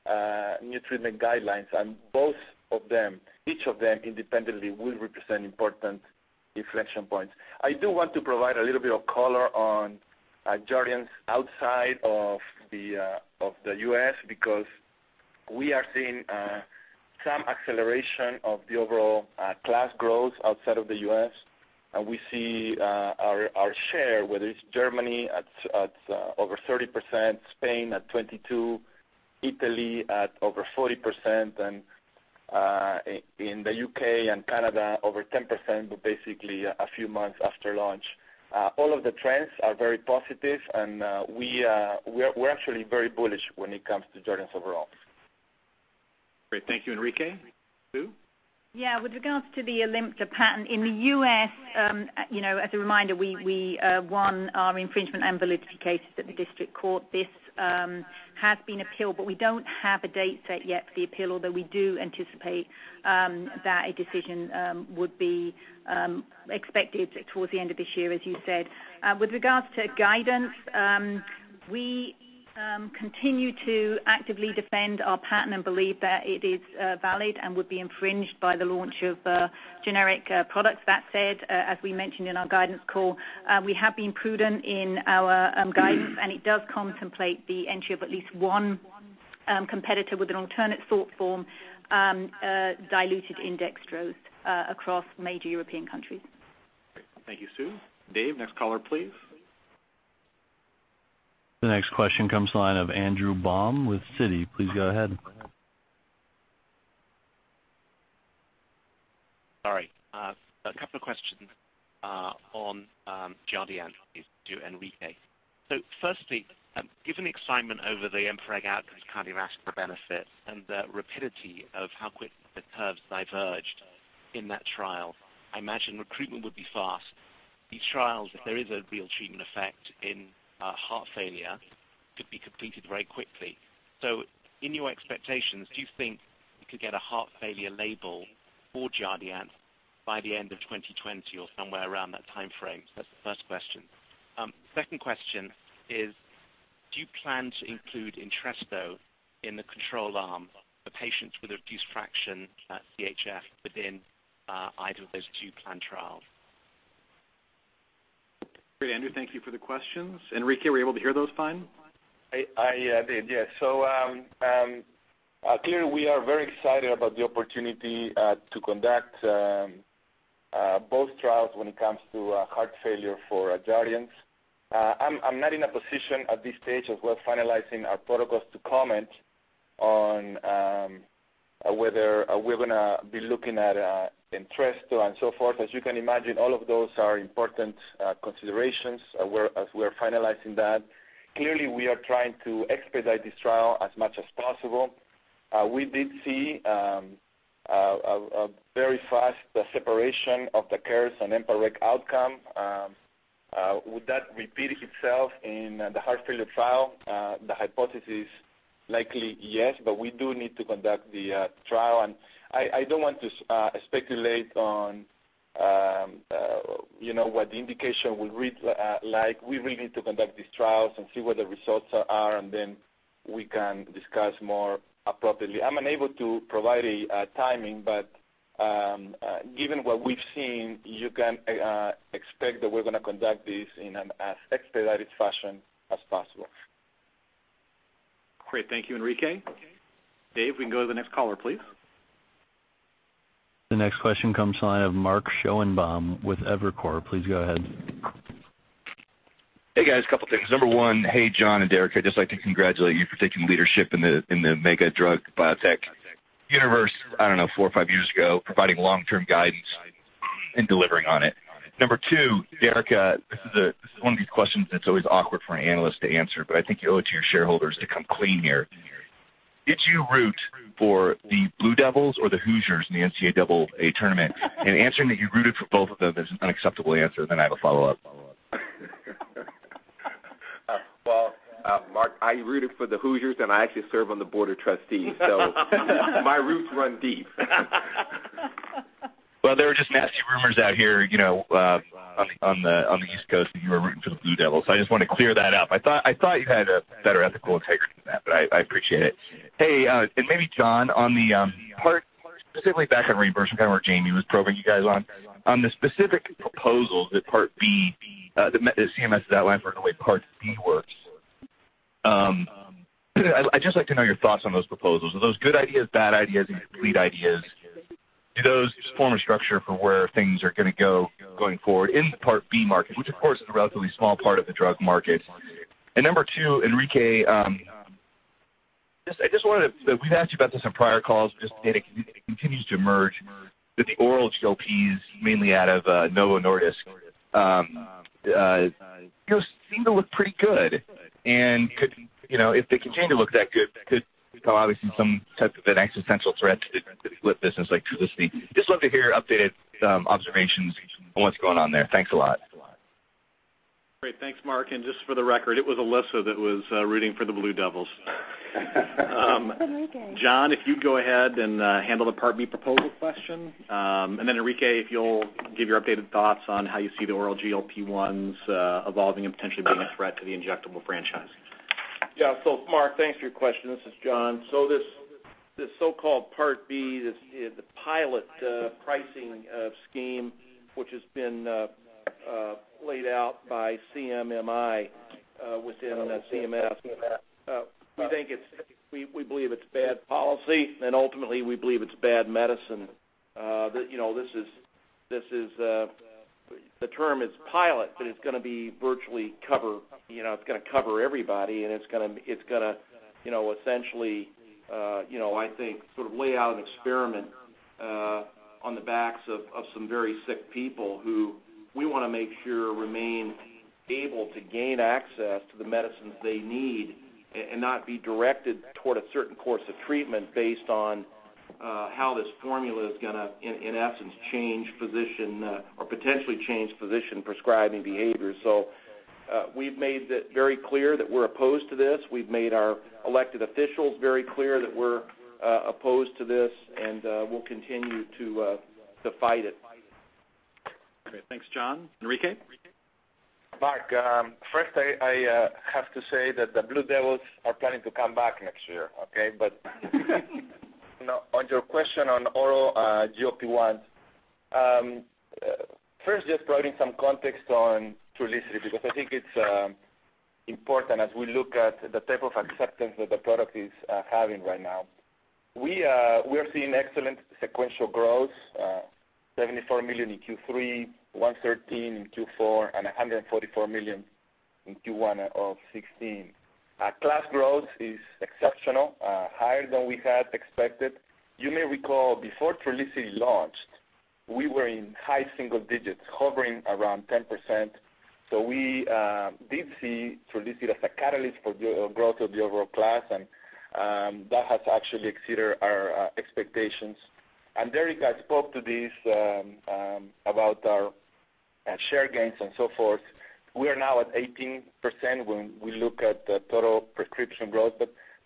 and new treatment guidelines. Both of them, each of them independently will represent important inflection points. I do want to provide a little bit of color on Jardiance outside of the U.S., because we are seeing some acceleration of the overall class growth outside of the U.S. We see our share, whether it's Germany at over 30%, Spain at 22, Italy at over 40%, and in the U.K. and Canada, over 10%, but basically a few months after launch. All of the trends are very positive, and we're actually very bullish when it comes to Jardiance overall. Great. Thank you, Enrique. Sue? With regards to the ALIMTA patent in the U.S., as a reminder, we won our infringement and validity cases at the district court. This has been appealed, we don't have a date set yet for the appeal, although we do anticipate that a decision would be expected towards the end of this year, as you said. With regards to guidance, we continue to actively defend our patent and believe that it is valid and would be infringed by the launch of generic products. That said, as we mentioned in our guidance call, we have been prudent in our guidance, and it does contemplate the entry of at least one competitor with an alternate salt form diluted in dextrose across major European countries. Great. Thank you, Sue. Dave, next caller, please. The next question comes to the line of Andrew Baum with Citi. Please go ahead. Sorry. A couple of questions on Jardiance to Enrique. Firstly, given the excitement over the EMPA-REG OUTCOME, cardiovascular benefit, and the rapidity of how quickly the curves diverged in that trial, I imagine recruitment would be fast. These trials, if there is a real treatment effect in heart failure, could be completed very quickly. In your expectations, do you think you could get a heart failure label for Jardiance by the end of 2020 or somewhere around that timeframe? That's the first question. Second question is, do you plan to include ENTRESTO in the control arm for patients with a reduced fraction CHF within either of those two planned trials? Great, Andrew. Thank you for the questions. Enrique, were you able to hear those fine? I did, yes. Clearly, we are very excited about the opportunity to conduct both trials when it comes to heart failure for Jardiance. I'm not in a position at this stage, as we're finalizing our protocols, to comment on whether we're going to be looking at ENTRESTO and so forth. As you can imagine, all of those are important considerations as we're finalizing that. Clearly, we are trying to expedite this trial as much as possible. We did see a very fast separation of the curves on EMPA-REG OUTCOME. Would that repeat itself in the heart failure trial? The hypothesis, likely yes, but we do need to conduct the trial. I don't want to speculate on what the indication will read like. We really need to conduct these trials and see what the results are, and then we can discuss more appropriately. I'm unable to provide a timing. Given what we've seen, you can expect that we're going to conduct this in an as expedited fashion as possible. Great. Thank you, Enrique. Dave, we can go to the next caller, please. The next question comes line of Mark Schoenebaum with Evercore. Please go ahead. Hey, guys. Couple things. Number one, hey, John and Derica. I'd just like to congratulate you for taking leadership in the mega drug biotech universe, I don't know, four or five years ago, providing long-term guidance and delivering on it. Number two, Derica, this is one of these questions that's always awkward for an analyst to answer, but I think you owe it to your shareholders to come clean here. Did you root for the Blue Devils or the Hoosiers in the NCAA tournament? Answering that you rooted for both of them is an unacceptable answer. I have a follow-up. Well, Mark, I rooted for the Hoosiers. I actually serve on the board of trustees. My roots run deep. Well, there were just nasty rumors out here on the East Coast that you were rooting for the Blue Devils. I just want to clear that up. I thought you had a better ethical integrity than that. I appreciate it. Hey, maybe John, on the part, specifically back on reimbursement, where Jami was probing you guys on. On the specific proposals that Part B, that CMS has outlined for the way Part D works. I'd just like to know your thoughts on those proposals. Are those good ideas, bad ideas, incomplete ideas? Do those just form a structure for where things are going to go going forward in the Part B market, which of course, is a relatively small part of the drug market. Number two, Enrique, we've asked you about this on prior calls. Just data continues to emerge that the oral GLPs, mainly out of Novo Nordisk, seem to look pretty good. If they continue to look that good, could become obviously some type of an existential threat to the business, like Trulicity. Just love to hear updated observations on what's going on there. Thanks a lot. Great. Thanks, Mark. Just for the record, it was Ilissa that was rooting for the Blue Devils. John, if you'd go ahead and handle the Part B proposal question. Enrique, if you'll give your updated thoughts on how you see the oral GLP-1s evolving and potentially being a threat to the injectable franchise. Mark, thanks for your question. This is John. This so-called Part B, the pilot pricing scheme, which has been laid out by CMMI within CMS. We believe it's bad policy, and ultimately we believe it's bad medicine. The term is pilot, but it's going to cover everybody, and it's going to essentially, I think sort of lay out an experiment on the backs of some very sick people who we want to make sure remain able to gain access to the medicines they need and not be directed toward a certain course of treatment based on how this formula is going to, in essence, potentially change physician prescribing behavior. We've made it very clear that we're opposed to this. We've made our elected officials very clear that we're opposed to this, and we'll continue to fight it. Thanks, John. Enrique? Mark, first I have to say that the Blue Devils are planning to come back next year. On your question on oral GLP-1s. First, just providing some context on Trulicity, because I think it's important as we look at the type of acceptance that the product is having right now. We're seeing excellent sequential growth, $74 million in Q3, $113 in Q4, and $144 million in Q1 of 2016. Class growth is exceptional, higher than we had expected. You may recall before Trulicity launched, we were in high single digits, hovering around 10%. We did see Trulicity as a catalyst for growth of the overall class, and that has actually exceeded our expectations. Derica has spoke to this about our share gains and so forth. We are now at 18% when we look at the total prescription growth.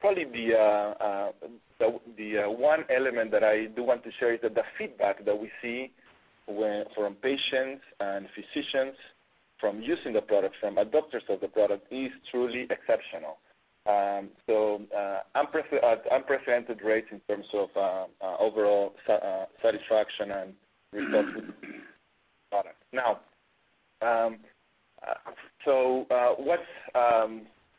Probably the one element that I do want to share is that the feedback that we see from patients and physicians from using the product, from adopters of the product is truly exceptional. Unprecedented rates in terms of overall satisfaction and response to the product.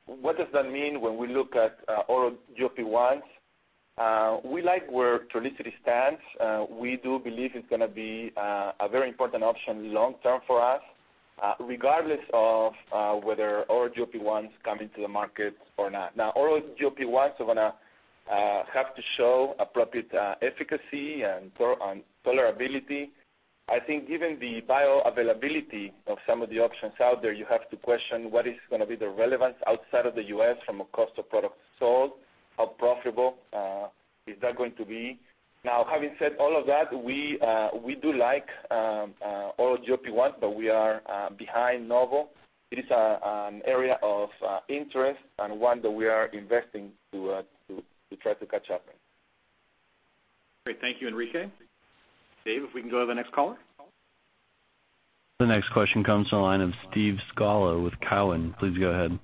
What does that mean when we look at oral GLP-1s? We like where Trulicity stands. We do believe it's going to be a very important option long-term for us, regardless of whether oral GLP-1s come into the market or not. Oral GLP-1s are going to have to show appropriate efficacy and tolerability. I think even the bioavailability of some of the options out there, you have to question what is going to be the relevance outside of the U.S. from a cost of product sold, how profitable is that going to be. Having said all of that, we do like oral GLP-1s, we are behind Novo. It is an area of interest and one that we are investing to try to catch up in. Great. Thank you, Enrique. Dave, if we can go to the next caller? The next question comes to the line of Steve Scala with Cowen. Please go ahead.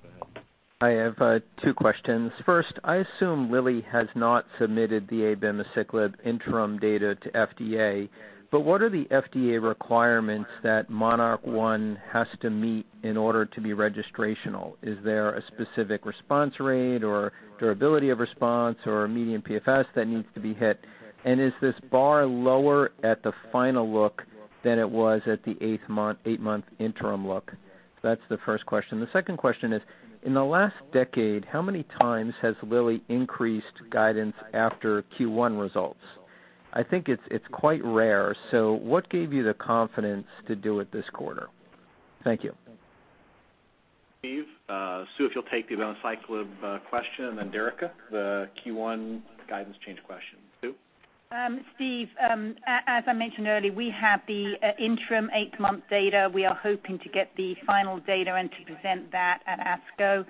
I have two questions. First, I assume Lilly has not submitted the abemaciclib interim data to FDA, but what are the FDA requirements that MONARCH 1 has to meet in order to be registrational? Is there a specific response rate or durability of response or a median PFS that needs to be hit? Is this bar lower at the final look than it was at the eight-month interim look? That's the first question. The second question is, in the last decade, how many times has Lilly increased guidance after Q1 results? I think it's quite rare. What gave you the confidence to do it this quarter? Thank you. Steve, Sue, if you'll take the abemaciclib question, Derica, the Q1 guidance change question. Sue? Steve, as I mentioned earlier, we have the interim eight-month data. We are hoping to get the final data and to present that at ASCO.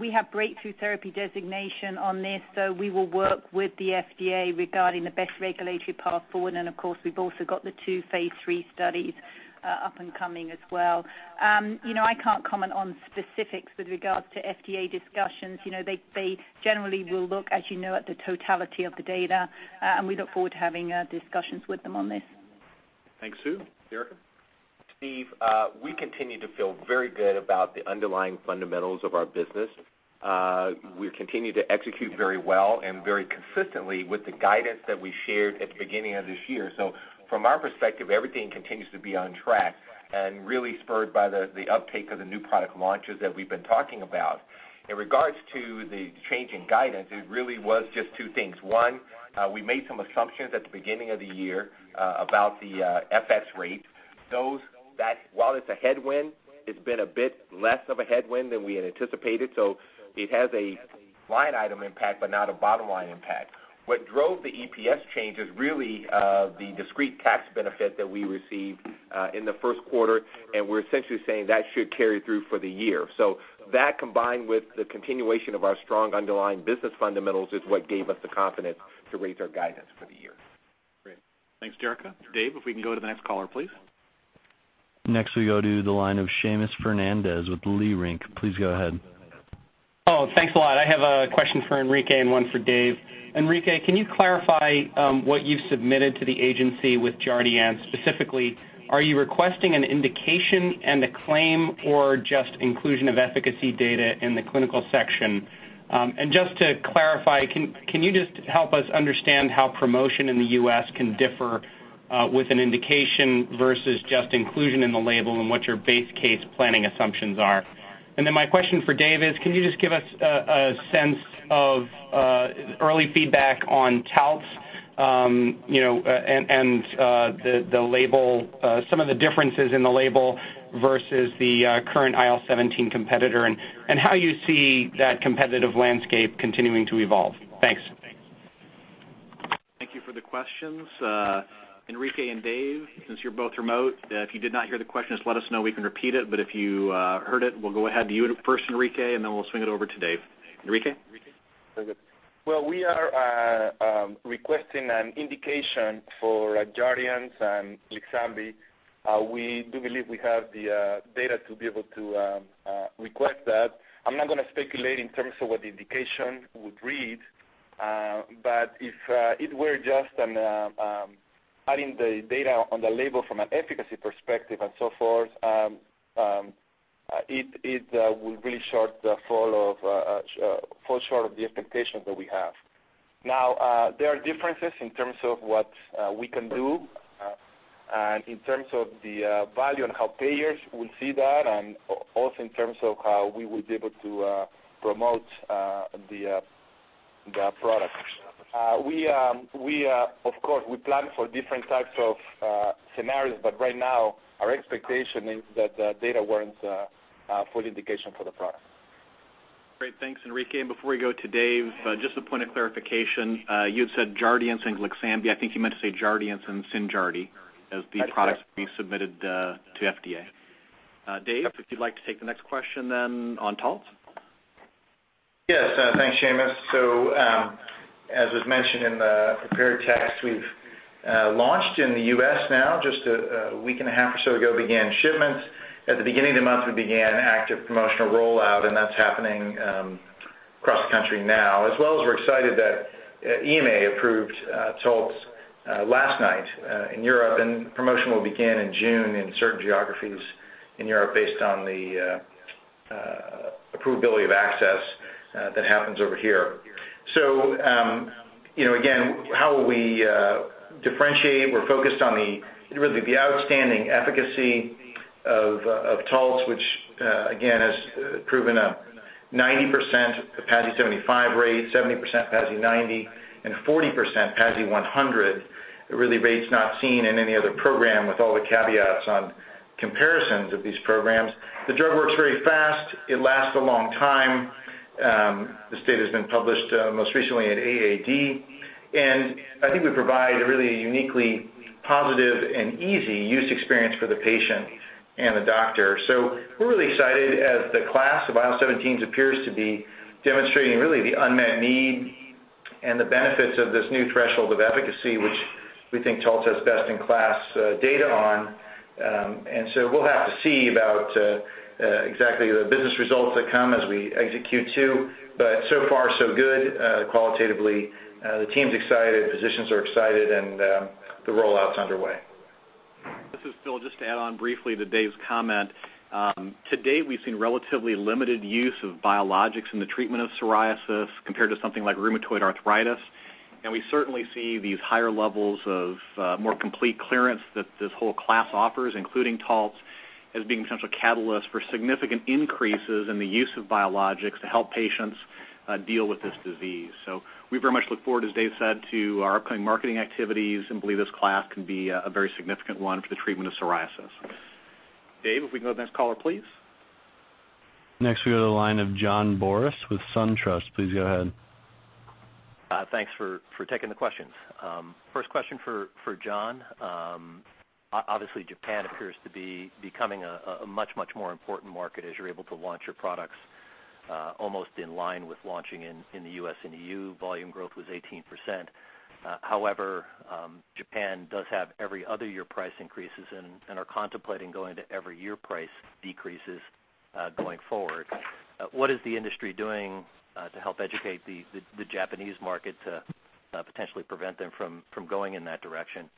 We have Breakthrough Therapy designation on this, we will work with the FDA regarding the best regulatory path forward. Of course, we've also got the two phase III studies up and coming as well. I can't comment on specifics with regards to FDA discussions. They generally will look, as you know, at the totality of the data, and we look forward to having discussions with them on this. Thanks, Sue. Derica? Steve, we continue to feel very good about the underlying fundamentals of our business. We continue to execute very well and very consistently with the guidance that we shared at the beginning of this year. From our perspective, everything continues to be on track and really spurred by the uptake of the new product launches that we've been talking about. In regards to the change in guidance, it really was just two things. One, we made some assumptions at the beginning of the year about the FX rate. While it's a headwind, it's been a bit less of a headwind than we had anticipated. It has a line item impact, but not a bottom-line impact. What drove the EPS changes, really, the discrete tax benefit that we received in the first quarter, and we're essentially saying that should carry through for the year. That combined with the continuation of our strong underlying business fundamentals is what gave us the confidence to raise our guidance for the year. Great. Thanks, Derica. David, if we can go to the next caller, please. Next we go to the line of Seamus Fernandez with Leerink. Please go ahead. Thanks a lot. I have a question for Enrique and one for Dave. Enrique, can you clarify what you've submitted to the agency with Jardiance? Specifically, are you requesting an indication and a claim or just inclusion of efficacy data in the clinical section? Just to clarify, can you just help us understand how promotion in the U.S. can differ with an indication versus just inclusion in the label and what your base case planning assumptions are? My question for Dave is, can you just give us a sense of early feedback on Taltz, and some of the differences in the label versus the current IL-17 competitor, and how you see that competitive landscape continuing to evolve? Thanks. Thank you for the questions. Enrique and Dave, since you're both remote, if you did not hear the question, just let us know, we can repeat it. If you heard it, we'll go ahead to you first, Enrique, then we'll swing it over to Dave. Enrique? Very good. We are requesting an indication for Jardiance and Lixambi. We do believe we have the data to be able to request that. I'm not going to speculate in terms of what the indication would read, if it were just adding the data on the label from an efficacy perspective and so forth, it will really fall short of the expectations that we have. There are differences in terms of what we can do, in terms of the value and how payers will see that, also in terms of how we will be able to promote the products. Of course, we plan for different types of scenarios, right now, our expectation is that the data warrants a full indication for the product. Great. Thanks, Enrique. Before we go to Dave, just a point of clarification. You had said Jardiance and Lixambi. I think you meant to say Jardiance and Synjardy as the products- That's correct being submitted to FDA. Dave, if you'd like to take the next question on Taltz. Yes. Thanks, Seamus. As was mentioned in the prepared text, we've launched in the U.S. now, just a week and a half or so ago began shipments. At the beginning of the month, we began active promotional rollout, and that's happening across the country now. We're excited that EMA approved Taltz last night in Europe, and promotion will begin in June in certain geographies in Europe based on the approvability of access that happens over here. Again, how will we differentiate? We're focused on really the outstanding efficacy of Taltz, which again, has proven a 90% PASI 75 rate, 70% PASI 90, and 40% PASI 100. Really rates not seen in any other program with all the caveats on comparisons of these programs. The drug works very fast. It lasts a long time. This data has been published most recently at AAD. I think we provide a really uniquely positive and easy use experience for the patient The doctor. We're really excited as the class of IL-17s appears to be demonstrating really the unmet need and the benefits of this new threshold of efficacy, which we think Taltz has best in class data on. We'll have to see about exactly the business results that come as we execute too. So far, so good qualitatively. The team's excited, physicians are excited, the rollout's underway. This is Phil. Just to add on briefly to Dave's comment. To date, we've seen relatively limited use of biologics in the treatment of psoriasis compared to something like rheumatoid arthritis, and we certainly see these higher levels of more complete clearance that this whole class offers, including Taltz, as being potential catalysts for significant increases in the use of biologics to help patients deal with this disease. We very much look forward, as Dave said, to our upcoming marketing activities and believe this class can be a very significant one for the treatment of psoriasis. Dave, if we can go to the next caller, please. Next, we go to the line of John Boris with SunTrust. Please go ahead. Thanks for taking the questions. First question for John. Obviously, Japan appears to be becoming a much, much more important market as you're able to launch your products almost in line with launching in the U.S. and EU. Volume growth was 18%. However, Japan does have every other year price increases and are contemplating going to every year price decreases going forward. What is the industry doing to help educate the Japanese market to potentially prevent them from going in that direction?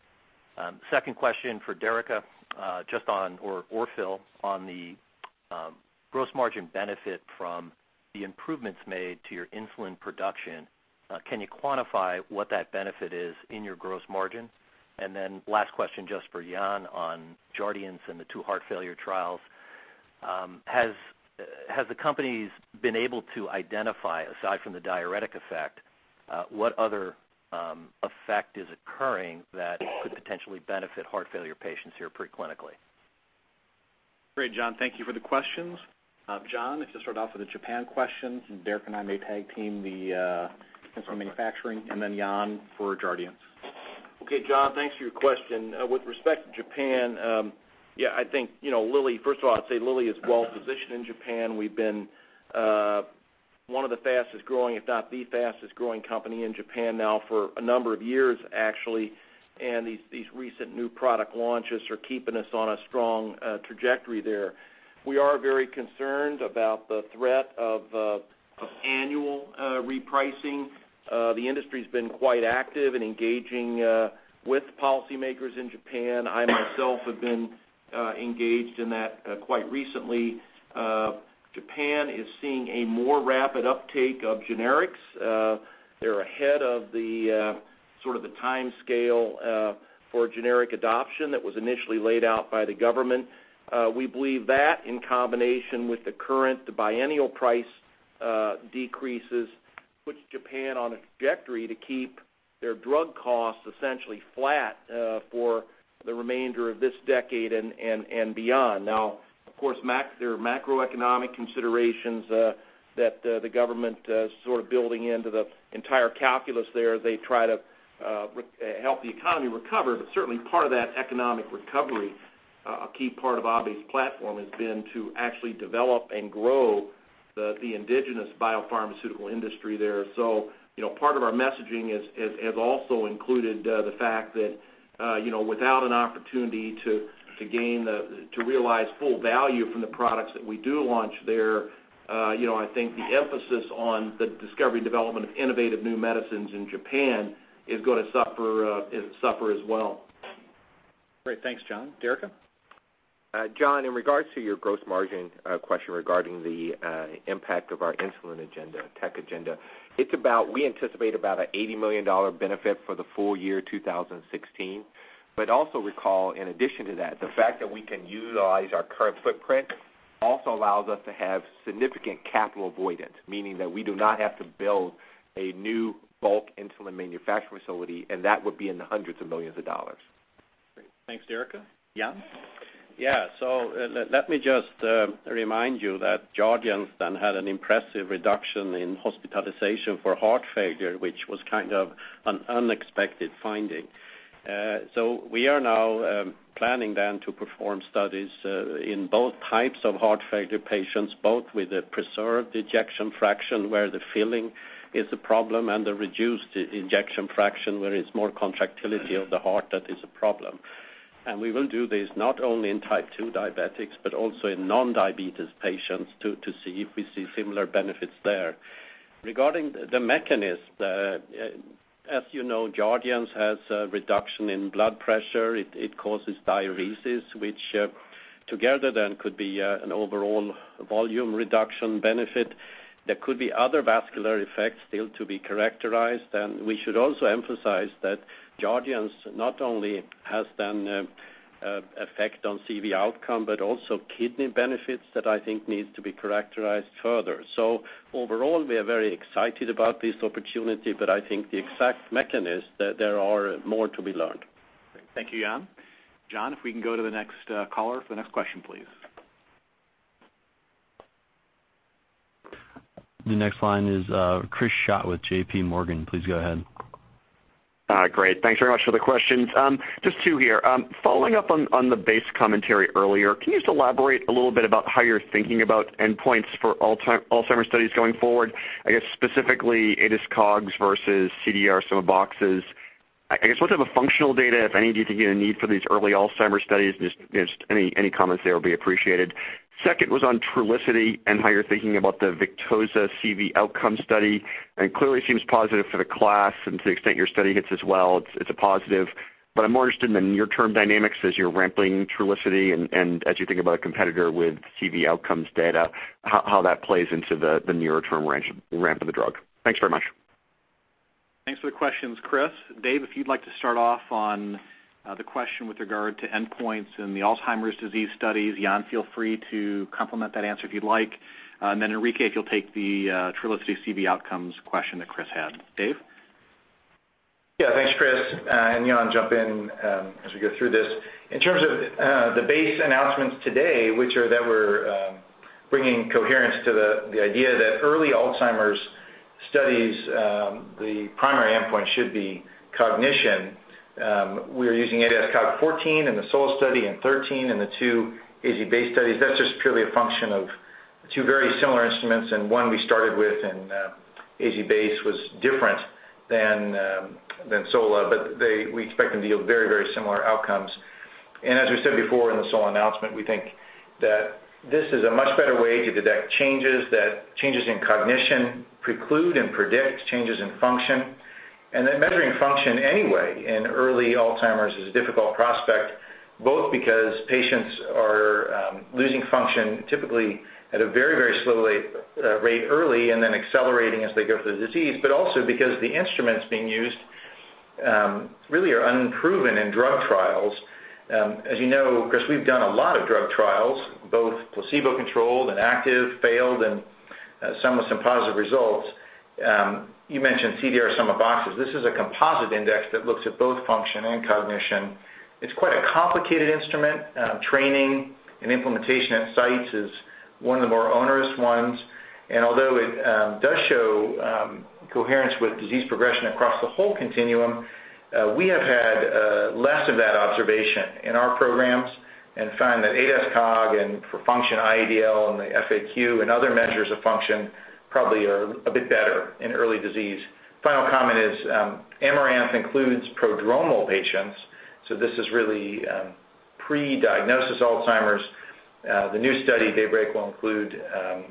Second question for Derica or Phil on the gross margin benefit from the improvements made to your insulin production. Can you quantify what that benefit is in your gross margin? Last question just for Jan on Jardiance and the two heart failure trials. Has the company been able to identify, aside from the diuretic effect, what other effect is occurring that could potentially benefit heart failure patients here pre-clinically? Great, John. Thank you for the questions. John, if you start off with the Japan questions, and Derica and I may tag team the insulin manufacturing and then Jan for Jardiance. Okay, John, thanks for your question. With respect to Japan, yeah, first of all, I'd say Lilly is well-positioned in Japan. We've been one of the fastest-growing, if not the fastest-growing company in Japan now for a number of years, actually. These recent new product launches are keeping us on a strong trajectory there. We are very concerned about the threat of annual repricing. The industry's been quite active in engaging with policymakers in Japan. I myself have been engaged in that quite recently. Japan is seeing a more rapid uptake of generics. They're ahead of sort of the timescale for generic adoption that was initially laid out by the government. We believe that in combination with the current biennial price decreases, puts Japan on a trajectory to keep their drug costs essentially flat for the remainder of this decade and beyond. Of course, there are macroeconomic considerations that the government sort of building into the entire calculus there as they try to help the economy recover. Certainly, part of that economic recovery, a key part of Abe's platform has been to actually develop and grow the indigenous biopharmaceutical industry there. Part of our messaging has also included the fact that without an opportunity to realize full value from the products that we do launch there, I think the emphasis on the discovery and development of innovative new medicines in Japan is going to suffer as well. Great. Thanks, John. Derica? John, in regards to your gross margin question regarding the impact of our insulin agenda, tech agenda, we anticipate about an $80 million benefit for the full year 2016. Also recall, in addition to that, the fact that we can utilize our current footprint also allows us to have significant capital avoidance, meaning that we do not have to build a new bulk insulin manufacturing facility, and that would be in the hundreds of millions of dollars. Great. Thanks, Derica. Jan? Let me just remind you that Jardiance then had an impressive reduction in hospitalization for heart failure, which was kind of an unexpected finding. We are now planning then to perform studies in both types of heart failure patients, both with a preserved ejection fraction, where the filling is a problem, and the reduced ejection fraction, where it's more contractility of the heart that is a problem. We will do this not only in type 2 diabetics but also in non-diabetes patients to see if we see similar benefits there. Regarding the mechanism, as you know, Jardiance has a reduction in blood pressure. It causes diuresis, which together then could be an overall volume reduction benefit. There could be other vascular effects still to be characterized. We should also emphasize that Jardiance not only has then an effect on CV outcome, but also kidney benefits that I think needs to be characterized further. Overall, we are very excited about this opportunity, but I think the exact mechanism there are more to be learned. Thank you, Jan. John, if we can go to the next caller for the next question, please. The next line is Christopher Schott with JPMorgan. Please go ahead. Great. Thanks very much for the questions. Just two here. Following up on the BACE commentary earlier, can you just elaborate a little bit about how you're thinking about endpoints for Alzheimer's studies going forward? I guess specifically, ADAS-Cog versus Clinical Dementia Rating Sum of Boxes. I guess what type of functional data, if any, do you think you need for these early Alzheimer's studies? Just any comments there will be appreciated. Second was on Trulicity and how you're thinking about the Victoza CV outcome study. Clearly seems positive for the class and to the extent your study hits as well, it's a positive. I'm more interested in the near-term dynamics as you're ramping Trulicity and as you think about a competitor with CV outcomes data, how that plays into the nearer term ramp of the drug. Thanks very much. Thanks for the questions, Chris. Dave, if you'd like to start off on the question with regard to endpoints in the Alzheimer's disease studies. Jan, feel free to complement that answer if you'd like. Enrique, if you'll take the Trulicity CV outcomes question that Chris had. Dave? Yeah. Thanks, Chris. Jan, jump in as we go through this. In terms of the BACE announcements today, which are that we're bringing coherence to the idea that early Alzheimer's studies, the primary endpoint should be cognition. We are using ADAS-Cog14 in the SOLA study and ADAS-Cog13 in the two AZBACE studies. That's just purely a function of two very similar instruments. One we started with in AZBACE was different than SOLA, but we expect them to yield very similar outcomes. As we said before in the SOLA announcement, we think that this is a much better way to detect changes, that changes in cognition preclude and predict changes in function. That measuring function anyway in early Alzheimer's is a difficult prospect, both because patients are losing function typically at a very slow rate early and then accelerating as they go through the disease, but also because the instruments being used really are unproven in drug trials. As you know, Chris, we've done a lot of drug trials, both placebo-controlled and active, failed, and some with some positive results. You mentioned Clinical Dementia Rating Sum of Boxes. This is a composite index that looks at both function and cognition. It's quite a complicated instrument. Training and implementation at sites is one of the more onerous ones, and although it does show coherence with disease progression across the whole continuum, we have had less of that observation in our programs and found that ADAS-Cog and for function, IADL and the FAQ and other measures of function probably are a bit better in early disease. Final comment is, AMARANTH includes prodromal patients, so this is really pre-diagnosis Alzheimer's. The new study, DAYBREAK, will include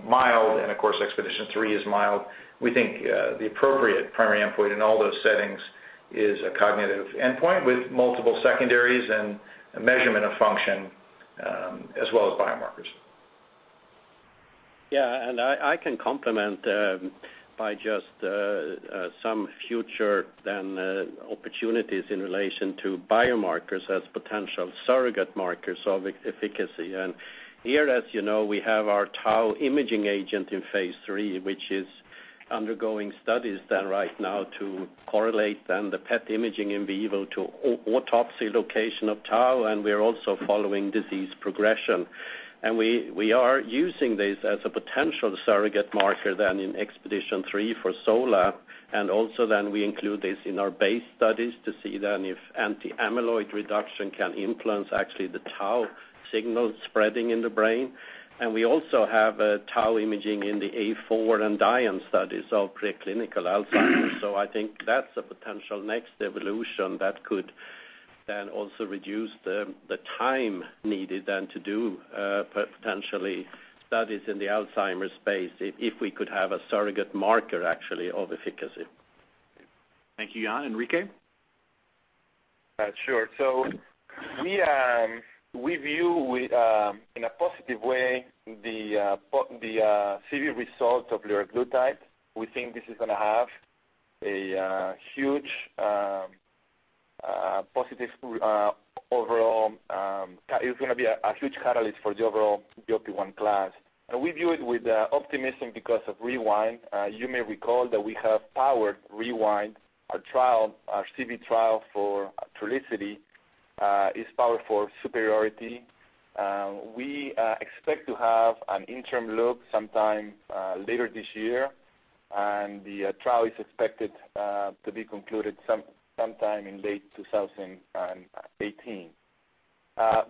mild, of course, EXPEDITION3 is mild. We think the appropriate primary endpoint in all those settings is a cognitive endpoint with multiple secondaries and measurement of function, as well as biomarkers. Yeah, I can complement by just some future then opportunities in relation to biomarkers as potential surrogate markers of efficacy. Here, as you know, we have our tau imaging agent in phase III, which is undergoing studies then right now to correlate then the PET imaging in vivo to autopsy location of tau, and we're also following disease progression. We are using this as a potential surrogate marker then in EXPEDITION3 for SOLA. Also then we include this in our base studies to see then if anti-amyloid reduction can influence actually the tau signal spreading in the brain. We also have a tau imaging in the A4 and DIAN studies of preclinical Alzheimer's. I think that's a potential next evolution that could then also reduce the time needed then to do potentially studies in the Alzheimer's space if we could have a surrogate marker actually of efficacy. Thank you, Jan. Enrique? Sure. We view in a positive way the CV result of liraglutide. We think this is going to be a huge catalyst for the overall GLP-1 class. We view it with optimism because of REWIND. You may recall that we have powered REWIND, our CV trial for Trulicity is powered for superiority. We expect to have an interim look sometime later this year, and the trial is expected to be concluded sometime in late 2018.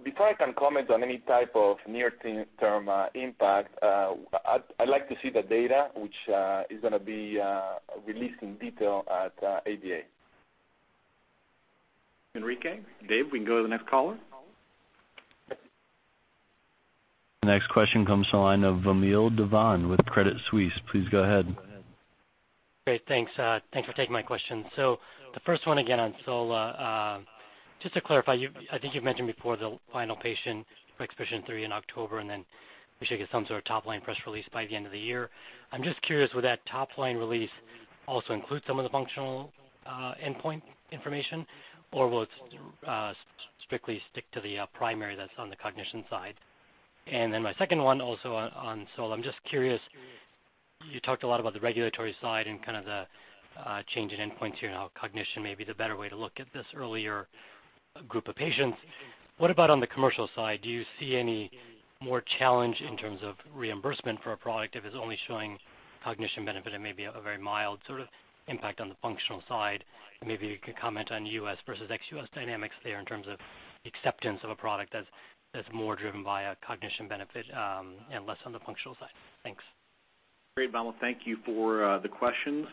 Before I can comment on any type of near-term impact, I'd like to see the data, which is going to be released in detail at ADA. Enrique, Dave, we can go to the next caller. The next question comes to the line of Vamil Divan with Credit Suisse. Please go ahead. Great. Thanks for taking my question. The first one again on SOLA. Just to clarify, I think you've mentioned before the final patient for EXPEDITION3 in October, and then we should get some sort of top-line press release by the end of the year. I'm just curious, would that top-line release also include some of the functional endpoint information, or will it strictly stick to the primary that's on the cognition side? My second one also on SOLA. I'm just curious, you talked a lot about the regulatory side and kind of the change in endpoints here and how cognition may be the better way to look at this earlier a group of patients. What about on the commercial side? Do you see any more challenge in terms of reimbursement for a product if it's only showing cognition benefit and maybe a very mild sort of impact on the functional side? Maybe you could comment on U.S. versus ex-U.S. dynamics there in terms of acceptance of a product that's more driven by a cognition benefit, and less on the functional side. Thanks. Great, Vamil. Thank you for the questions.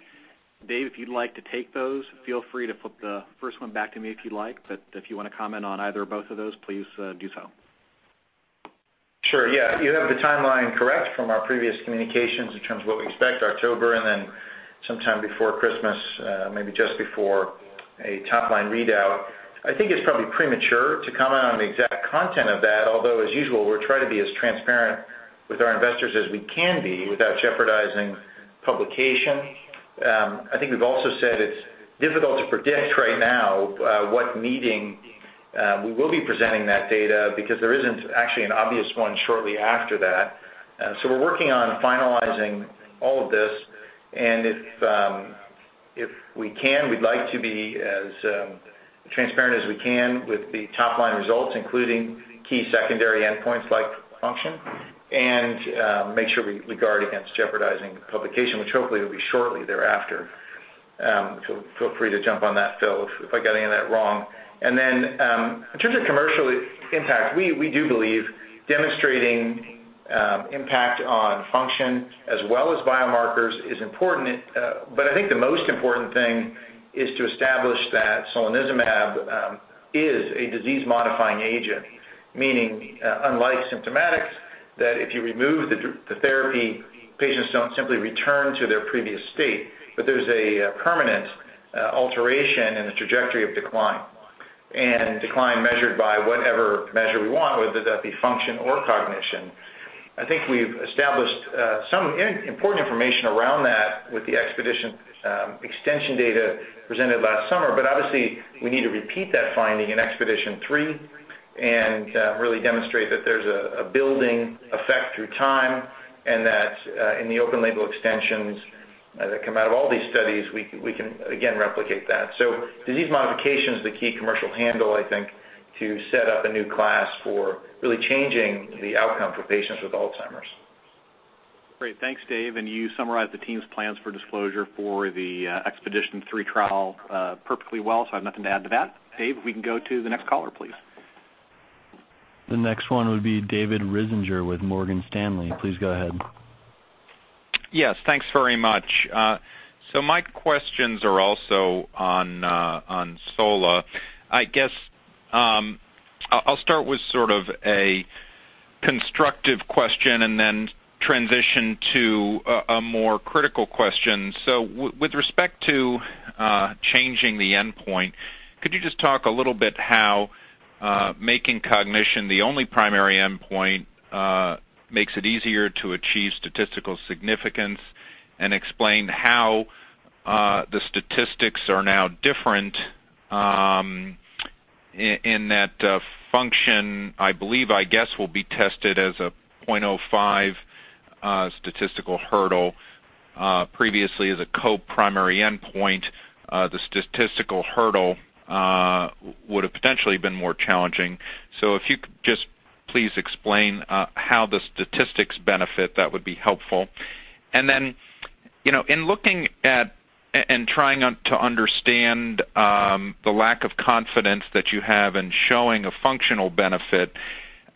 Dave, if you'd like to take those, feel free to flip the first one back to me if you'd like, but if you want to comment on either or both of those, please do so. Sure, yeah. You have the timeline correct from our previous communications in terms of what we expect October and then sometime before Christmas, maybe just before a top-line readout. I think it's probably premature to comment on the exact content of that, although as usual, we'll try to be as transparent with our investors as we can be without jeopardizing publication. I think we've also said it's difficult to predict right now what meeting we will be presenting that data because there isn't actually an obvious one shortly after that. We're working on finalizing all of this, and if we can, we'd like to be as transparent as we can with the top-line results, including key secondary endpoints like function and make sure we guard against jeopardizing publication, which hopefully will be shortly thereafter. Feel free to jump on that, Phil, if I got any of that wrong. Then, in terms of commercial impact, we do believe demonstrating impact on function as well as biomarkers is important. I think the most important thing is to establish that solanezumab is a disease-modifying agent. Meaning, unlike symptomatics, that if you remove the therapy, patients don't simply return to their previous state, but there's a permanent alteration in the trajectory of decline. Decline measured by whatever measure we want, whether that be function or cognition. I think we've established some important information around that with the expedition extension data presented last summer, but obviously we need to repeat that finding in EXPEDITION3 and really demonstrate that there's a building effect through time and that in the open label extensions that come out of all these studies, we can again replicate that. Disease modification is the key commercial handle, I think, to set up a new class for really changing the outcome for patients with Alzheimer's. Great. Thanks, Dave. You summarized the team's plans for disclosure for the EXPEDITION3 trial, perfectly well. I have nothing to add to that. Dave, if we can go to the next caller, please. The next one would be David Risinger with Morgan Stanley. Please go ahead. Yes, thanks very much. My questions are also on Sola. I guess, I'll start with sort of a constructive question and then transition to a more critical question. With respect to changing the endpoint, could you just talk a little bit how making cognition the only primary endpoint makes it easier to achieve statistical significance, and explain how the statistics are now different in that function, I believe, I guess, will be tested as a 0.05 statistical hurdle, previously as a co-primary endpoint, the statistical hurdle would've potentially been more challenging. Then, in looking at and trying to understand the lack of confidence that you have in showing a functional benefit,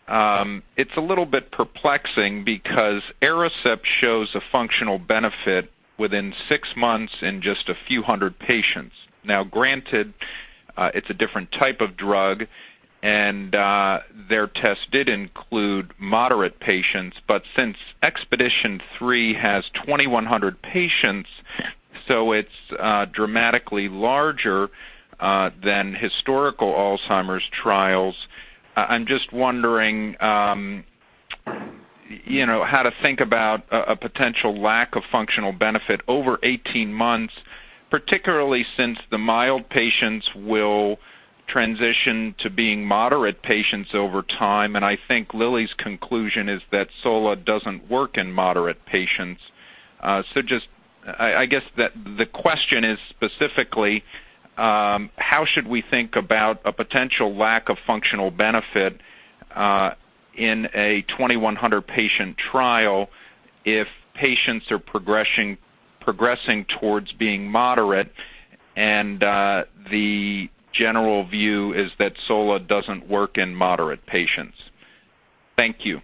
it's a little bit perplexing because ARICEPT shows a functional benefit within six months in just a few hundred patients. Granted, it's a different type of drug and their test did include moderate patients, but since EXPEDITION3 has 2,100 patients, it's dramatically larger than historical Alzheimer's trials. I'm just wondering, how to think about a potential lack of functional benefit over 18 months, particularly since the mild patients will transition to being moderate patients over time. I think Lilly's conclusion is that Sola doesn't work in moderate patients. Just, I guess that the question is specifically, how should we think about a potential lack of functional benefit in a 2,100 patient trial if patients are progressing towards being moderate and the general view is that Sola doesn't work in moderate patients? Thank you.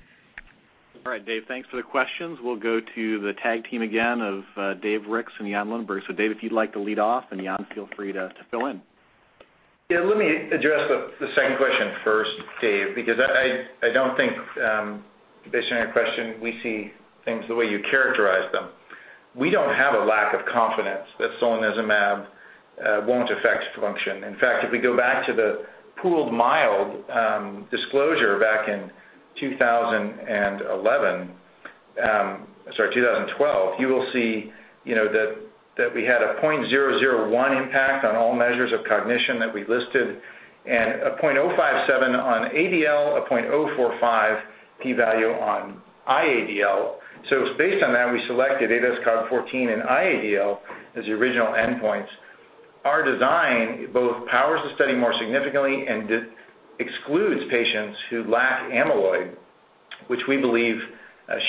All right, Dave, thanks for the questions. We'll go to the tag team again of Dave Ricks and Jan Lundberg. Dave, if you'd like to lead off and Jan, feel free to fill in. Let me address the second question first, Dave, because I don't think, based on your question, we see things the way you characterize them. We don't have a lack of confidence that solanezumab won't affect function. In fact, if we go back to the pooled mild disclosure back in 2011, sorry, 2012, you will see that we had a 0.001 impact on all measures of cognition that we listed and a seven on ADL, a 0.045 p-value on IADL. Based on that, we selected ADAS-Cog 14 and IADL as the original endpoints. Our design both powers the study more significantly and excludes patients who lack amyloid, which we believe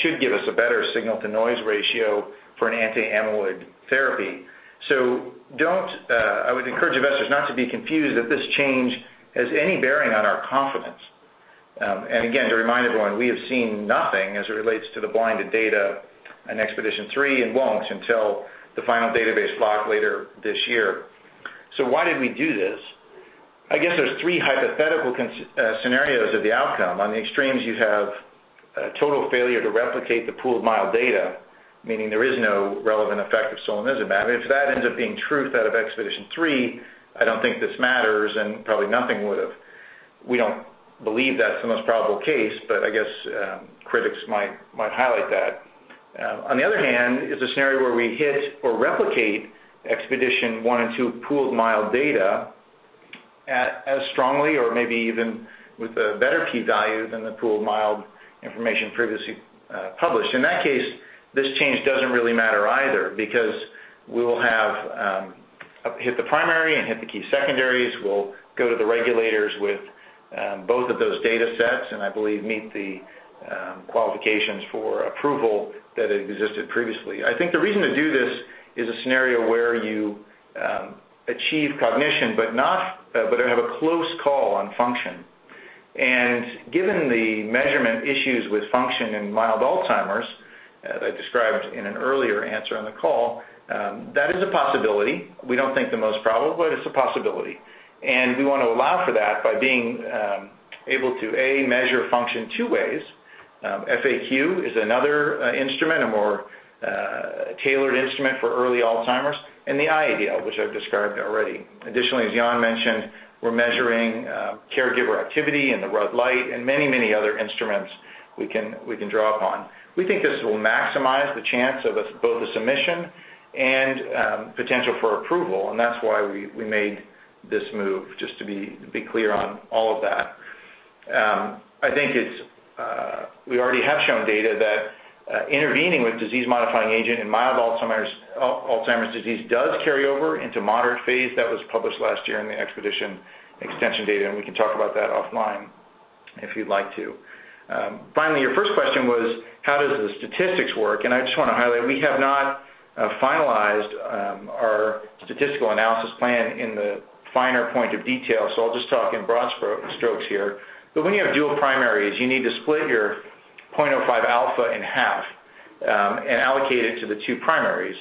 should give us a better signal-to-noise ratio for an anti-amyloid therapy. I would encourage investors not to be confused that this change has any bearing on our confidence. Again, to remind everyone, we have seen nothing as it relates to the blinded data in EXPEDITION3 and won't until the final database lock later this year. Why did we do this? I guess there's three hypothetical scenarios of the outcome. On the extremes, you have a total failure to replicate the pooled mild data, meaning there is no relevant effect of solanezumab. If that ends up being true out of EXPEDITION3, I don't think this matters, and probably nothing would have. We don't believe that's the most probable case, but I guess critics might highlight that. On the other hand, is a scenario where we hit or replicate EXPEDITION1 and 2 pooled mild data as strongly or maybe even with a better p-value than the pooled mild information previously published. In that case, this change doesn't really matter either because we will have hit the primary and hit the key secondaries. We'll go to the regulators with both of those data sets and I believe meet the qualifications for approval that had existed previously. I think the reason to do this is a scenario where you achieve cognition, but have a close call on function. Given the measurement issues with function in mild Alzheimer's, as I described in an earlier answer on the call, that is a possibility. We don't think the most probable, but it's a possibility. We want to allow for that by being able to, A, measure function two ways. FAQ is another instrument, a more tailored instrument for early Alzheimer's, and the IADL, which I've described already. Additionally, as Jan mentioned, we're measuring caregiver activity and the RUD-Lite and many other instruments we can draw upon. We think this will maximize the chance of both a submission and potential for approval, and that's why we made this move, just to be clear on all of that. I think we already have shown data that intervening with disease-modifying agent in mild Alzheimer's disease does carry over into moderate phase. That was published last year in the expedition extension data, and we can talk about that offline if you'd like to. Finally, your first question was how does the statistics work? I just want to highlight, we have not finalized our statistical analysis plan in the finer point of detail, so I'll just talk in broad strokes here. When you have dual primaries, you need to split your 0.05 alpha in half and allocate it to the two primaries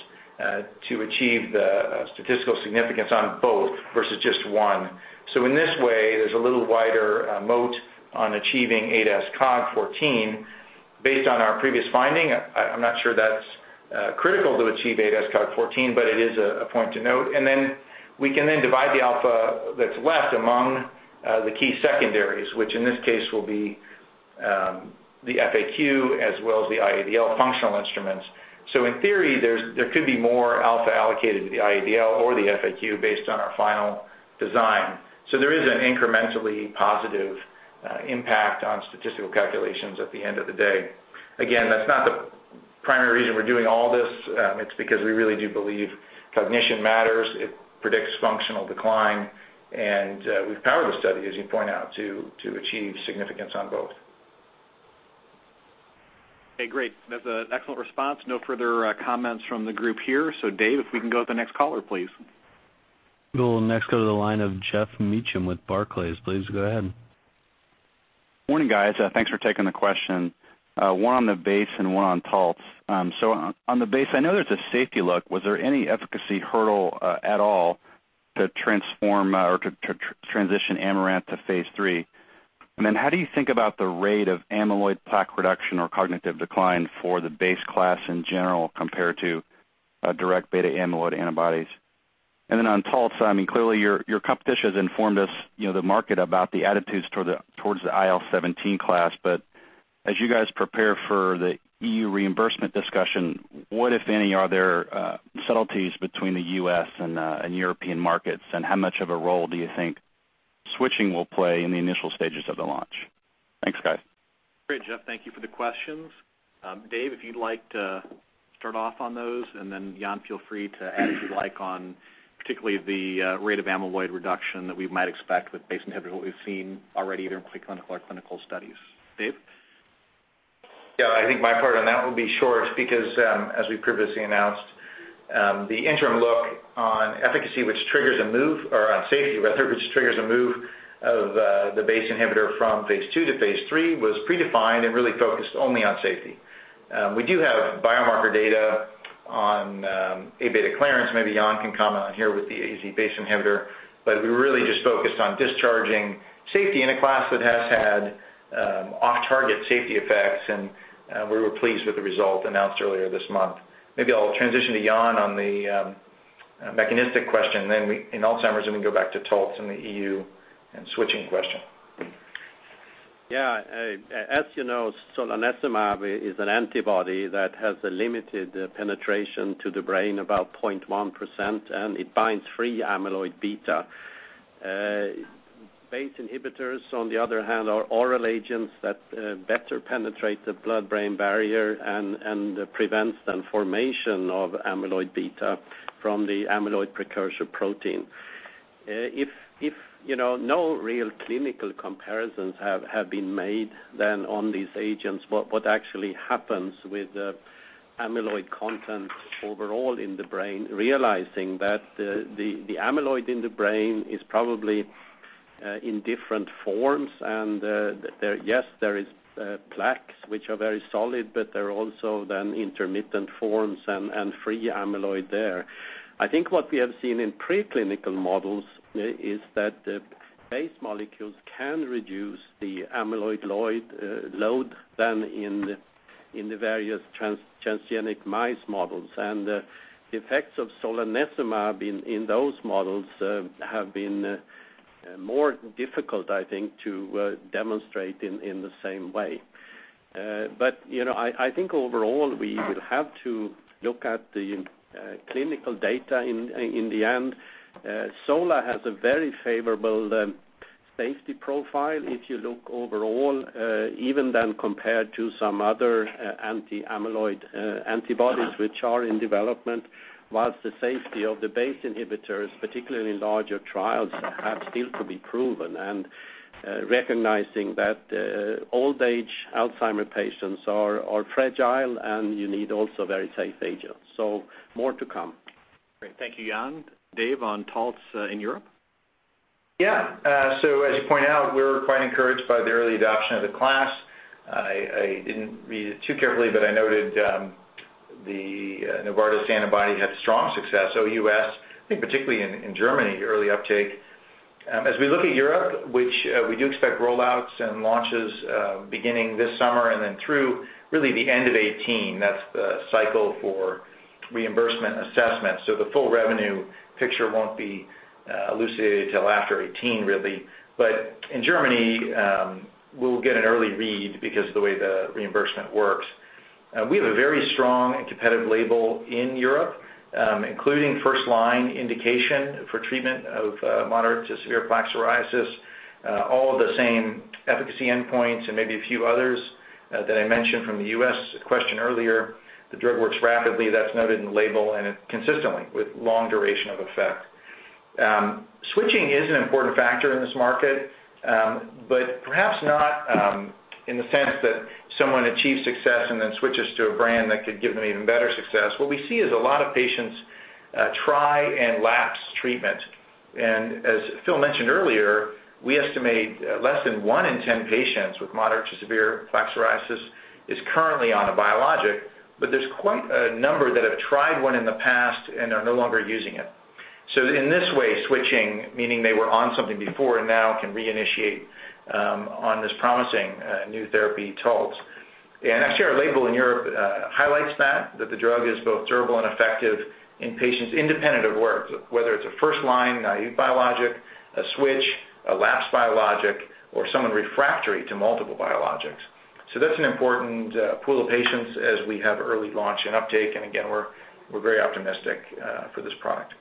to achieve the statistical significance on both versus just one. In this way, there's a little wider moat on achieving ADAS-Cog14. Based on our previous finding, I'm not sure that's critical to achieve ADAS-Cog14, but it is a point to note. Then we can then divide the alpha that's left among the key secondaries, which in this case will be the FAQ as well as the IADL functional instruments. In theory, there could be more alpha allocated to the IADL or the FAQ based on our final design. There is an incrementally positive impact on statistical calculations at the end of the day. Again, that's not the primary reason we're doing all this. It's because we really do believe cognition matters. It predicts functional decline, we've powered the study, as you point out, to achieve significance on both. Okay, great. That's an excellent response. No further comments from the group here. Dave, if we can go to the next caller, please. We'll next go to the line of Geoffrey Meacham with Barclays. Please go ahead. Morning, guys. Thanks for taking the question. One on the BACE and one on Taltz. On the BACE, I know there's a safety look. Was there any efficacy hurdle at all to transform or to transition AMARANTH to phase III? How do you think about the rate of amyloid plaque reduction or cognitive decline for the BACE class in general compared to direct beta amyloid antibodies? On Taltz, clearly your competition has informed us, the market, about the attitudes towards the IL-17 class. As you guys prepare for the EU reimbursement discussion, what, if any, are there subtleties between the U.S. and European markets, and how much of a role do you think switching will play in the initial stages of the launch? Thanks, guys. Great, Geoffrey. Thank you for the questions. David, if you'd like to start off on those, and then Jan, feel free to add as you like on particularly the rate of amyloid reduction that we might expect with BACE inhibitor that we've seen already either in preclinical or clinical studies. David? Yeah, I think my part on that will be short because, as we previously announced, the interim look on efficacy, which triggers a move or on safety, rather, which triggers a move of the BACE inhibitor from phase II to phase III, was predefined and really focused only on safety. We do have biomarker data on Aβ clearance. Maybe Jan can comment on here with the AZ BACE inhibitor, but we really just focused on discharging safety in a class that has had off-target safety effects, and we were pleased with the result announced earlier this month. Maybe I'll transition to Jan on the mechanistic question in Alzheimer's, and we can go back to Taltz and the EU and switching question. Yeah. As you know, solanezumab is an antibody that has a limited penetration to the brain, about 0.1%, and it binds free amyloid beta. BACE inhibitors, on the other hand, are oral agents that better penetrate the blood-brain barrier and prevents the formation of amyloid beta from the amyloid precursor protein. If no real clinical comparisons have been made then on these agents, what actually happens with the amyloid content overall in the brain, realizing that the amyloid in the brain is probably in different forms and, yes, there is plaques, which are very solid, but there are also then intermittent forms and free amyloid there. I think what we have seen in preclinical models is that the BACE molecules can reduce the amyloid load then in the various transgenic mice models. The effects of solanezumab in those models have been more difficult, I think, to demonstrate in the same way. I think overall, we will have to look at the clinical data in the end. sola has a very favorable safety profile if you look overall, even than compared to some other anti-amyloid antibodies which are in development, whilst the safety of the BACE inhibitors, particularly in larger trials, have still to be proven. Recognizing that old age Alzheimer patients are fragile and you need also very safe agents. More to come. Great. Thank you, Jan. Dave, on Taltz in Europe? Yeah. As you point out, we're quite encouraged by the early adoption of the class. I didn't read it too carefully, but I noted the Novartis antibody had strong success, OUS, I think particularly in Germany, early uptake. As we look at Europe, which we do expect roll-outs and launches beginning this summer and then through really the end of 2018. That's the cycle for reimbursement assessments. The full revenue picture won't be elucidated till after 2018, really. In Germany, we'll get an early read because of the way the reimbursement works. We have a very strong and competitive label in Europe including first-line indication for treatment of moderate to severe plaque psoriasis. All of the same efficacy endpoints and maybe a few others that I mentioned from the U.S. question earlier. The drug works rapidly, that's noted in the label, and consistently with long duration of effect. Switching is an important factor in this market but perhaps not in the sense that someone achieves success and then switches to a brand that could give them even better success. What we see is a lot of patients try and lapse treatment. As Phil mentioned earlier, we estimate less than one in 10 patients with moderate to severe plaque psoriasis is currently on a biologic, but there's quite a number that have tried one in the past and are no longer using it. In this way, switching, meaning they were on something before and now can reinitiate on this promising new therapy, Taltz. Actually our label in Europe highlights that the drug is both durable and effective in patients independent of where, whether it's a first-line naive biologic, a switch, a lapsed biologic, or someone refractory to multiple biologics. That's an important pool of patients as we have early launch and uptake, and again, we're very optimistic for this product.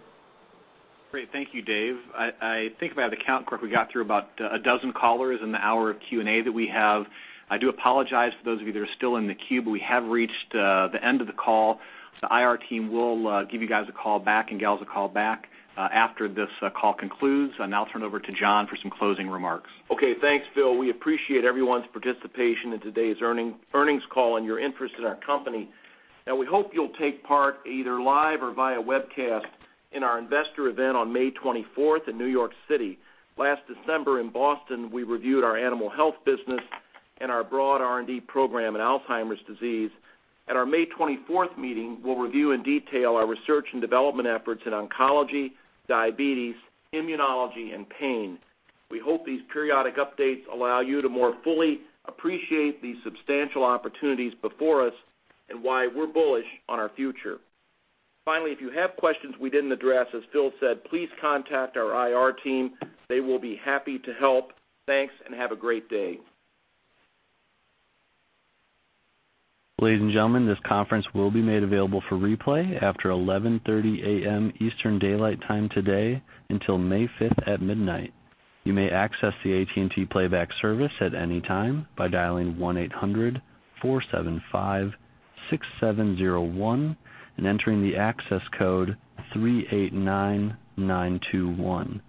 Great. Thank you, Dave. I think by the count correct, we got through about a dozen callers in the hour of Q&A that we have. I do apologize for those of you that are still in the queue, we have reached the end of the call. IR team will give you guys a call back, and gals a call back, after this call concludes. I'll now turn over to John for some closing remarks. Okay, thanks, Phil. We appreciate everyone's participation in today's earnings call and your interest in our company. We hope you'll take part either live or via webcast in our investor event on May 24th in New York City. Last December in Boston, we reviewed our animal health business and our broad R&D program in Alzheimer's disease. At our May 24th meeting, we'll review in detail our research and development efforts in oncology, diabetes, immunology, and pain. We hope these periodic updates allow you to more fully appreciate the substantial opportunities before us and why we're bullish on our future. Finally, if you have questions we didn't address, as Phil said, please contact our IR team. They will be happy to help. Thanks. Have a great day. Ladies and gentlemen, this conference will be made available for replay after 11:30 A.M. Eastern Daylight Time today until May 5th at midnight. You may access the AT&T Playback service at any time by dialing 1-800-475-6701 and entering the access code 389921.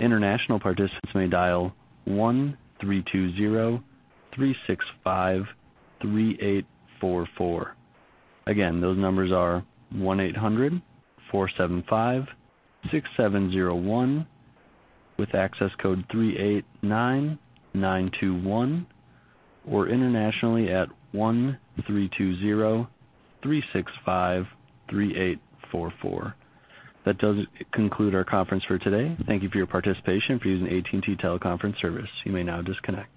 International participants may dial 1-320-365-3844. Again, those numbers are 1-800-475-6701 with access code 389921, or internationally at 1-320-365-3844. That does conclude our conference for today. Thank you for your participation. If you're using AT&T Teleconference service, you may now disconnect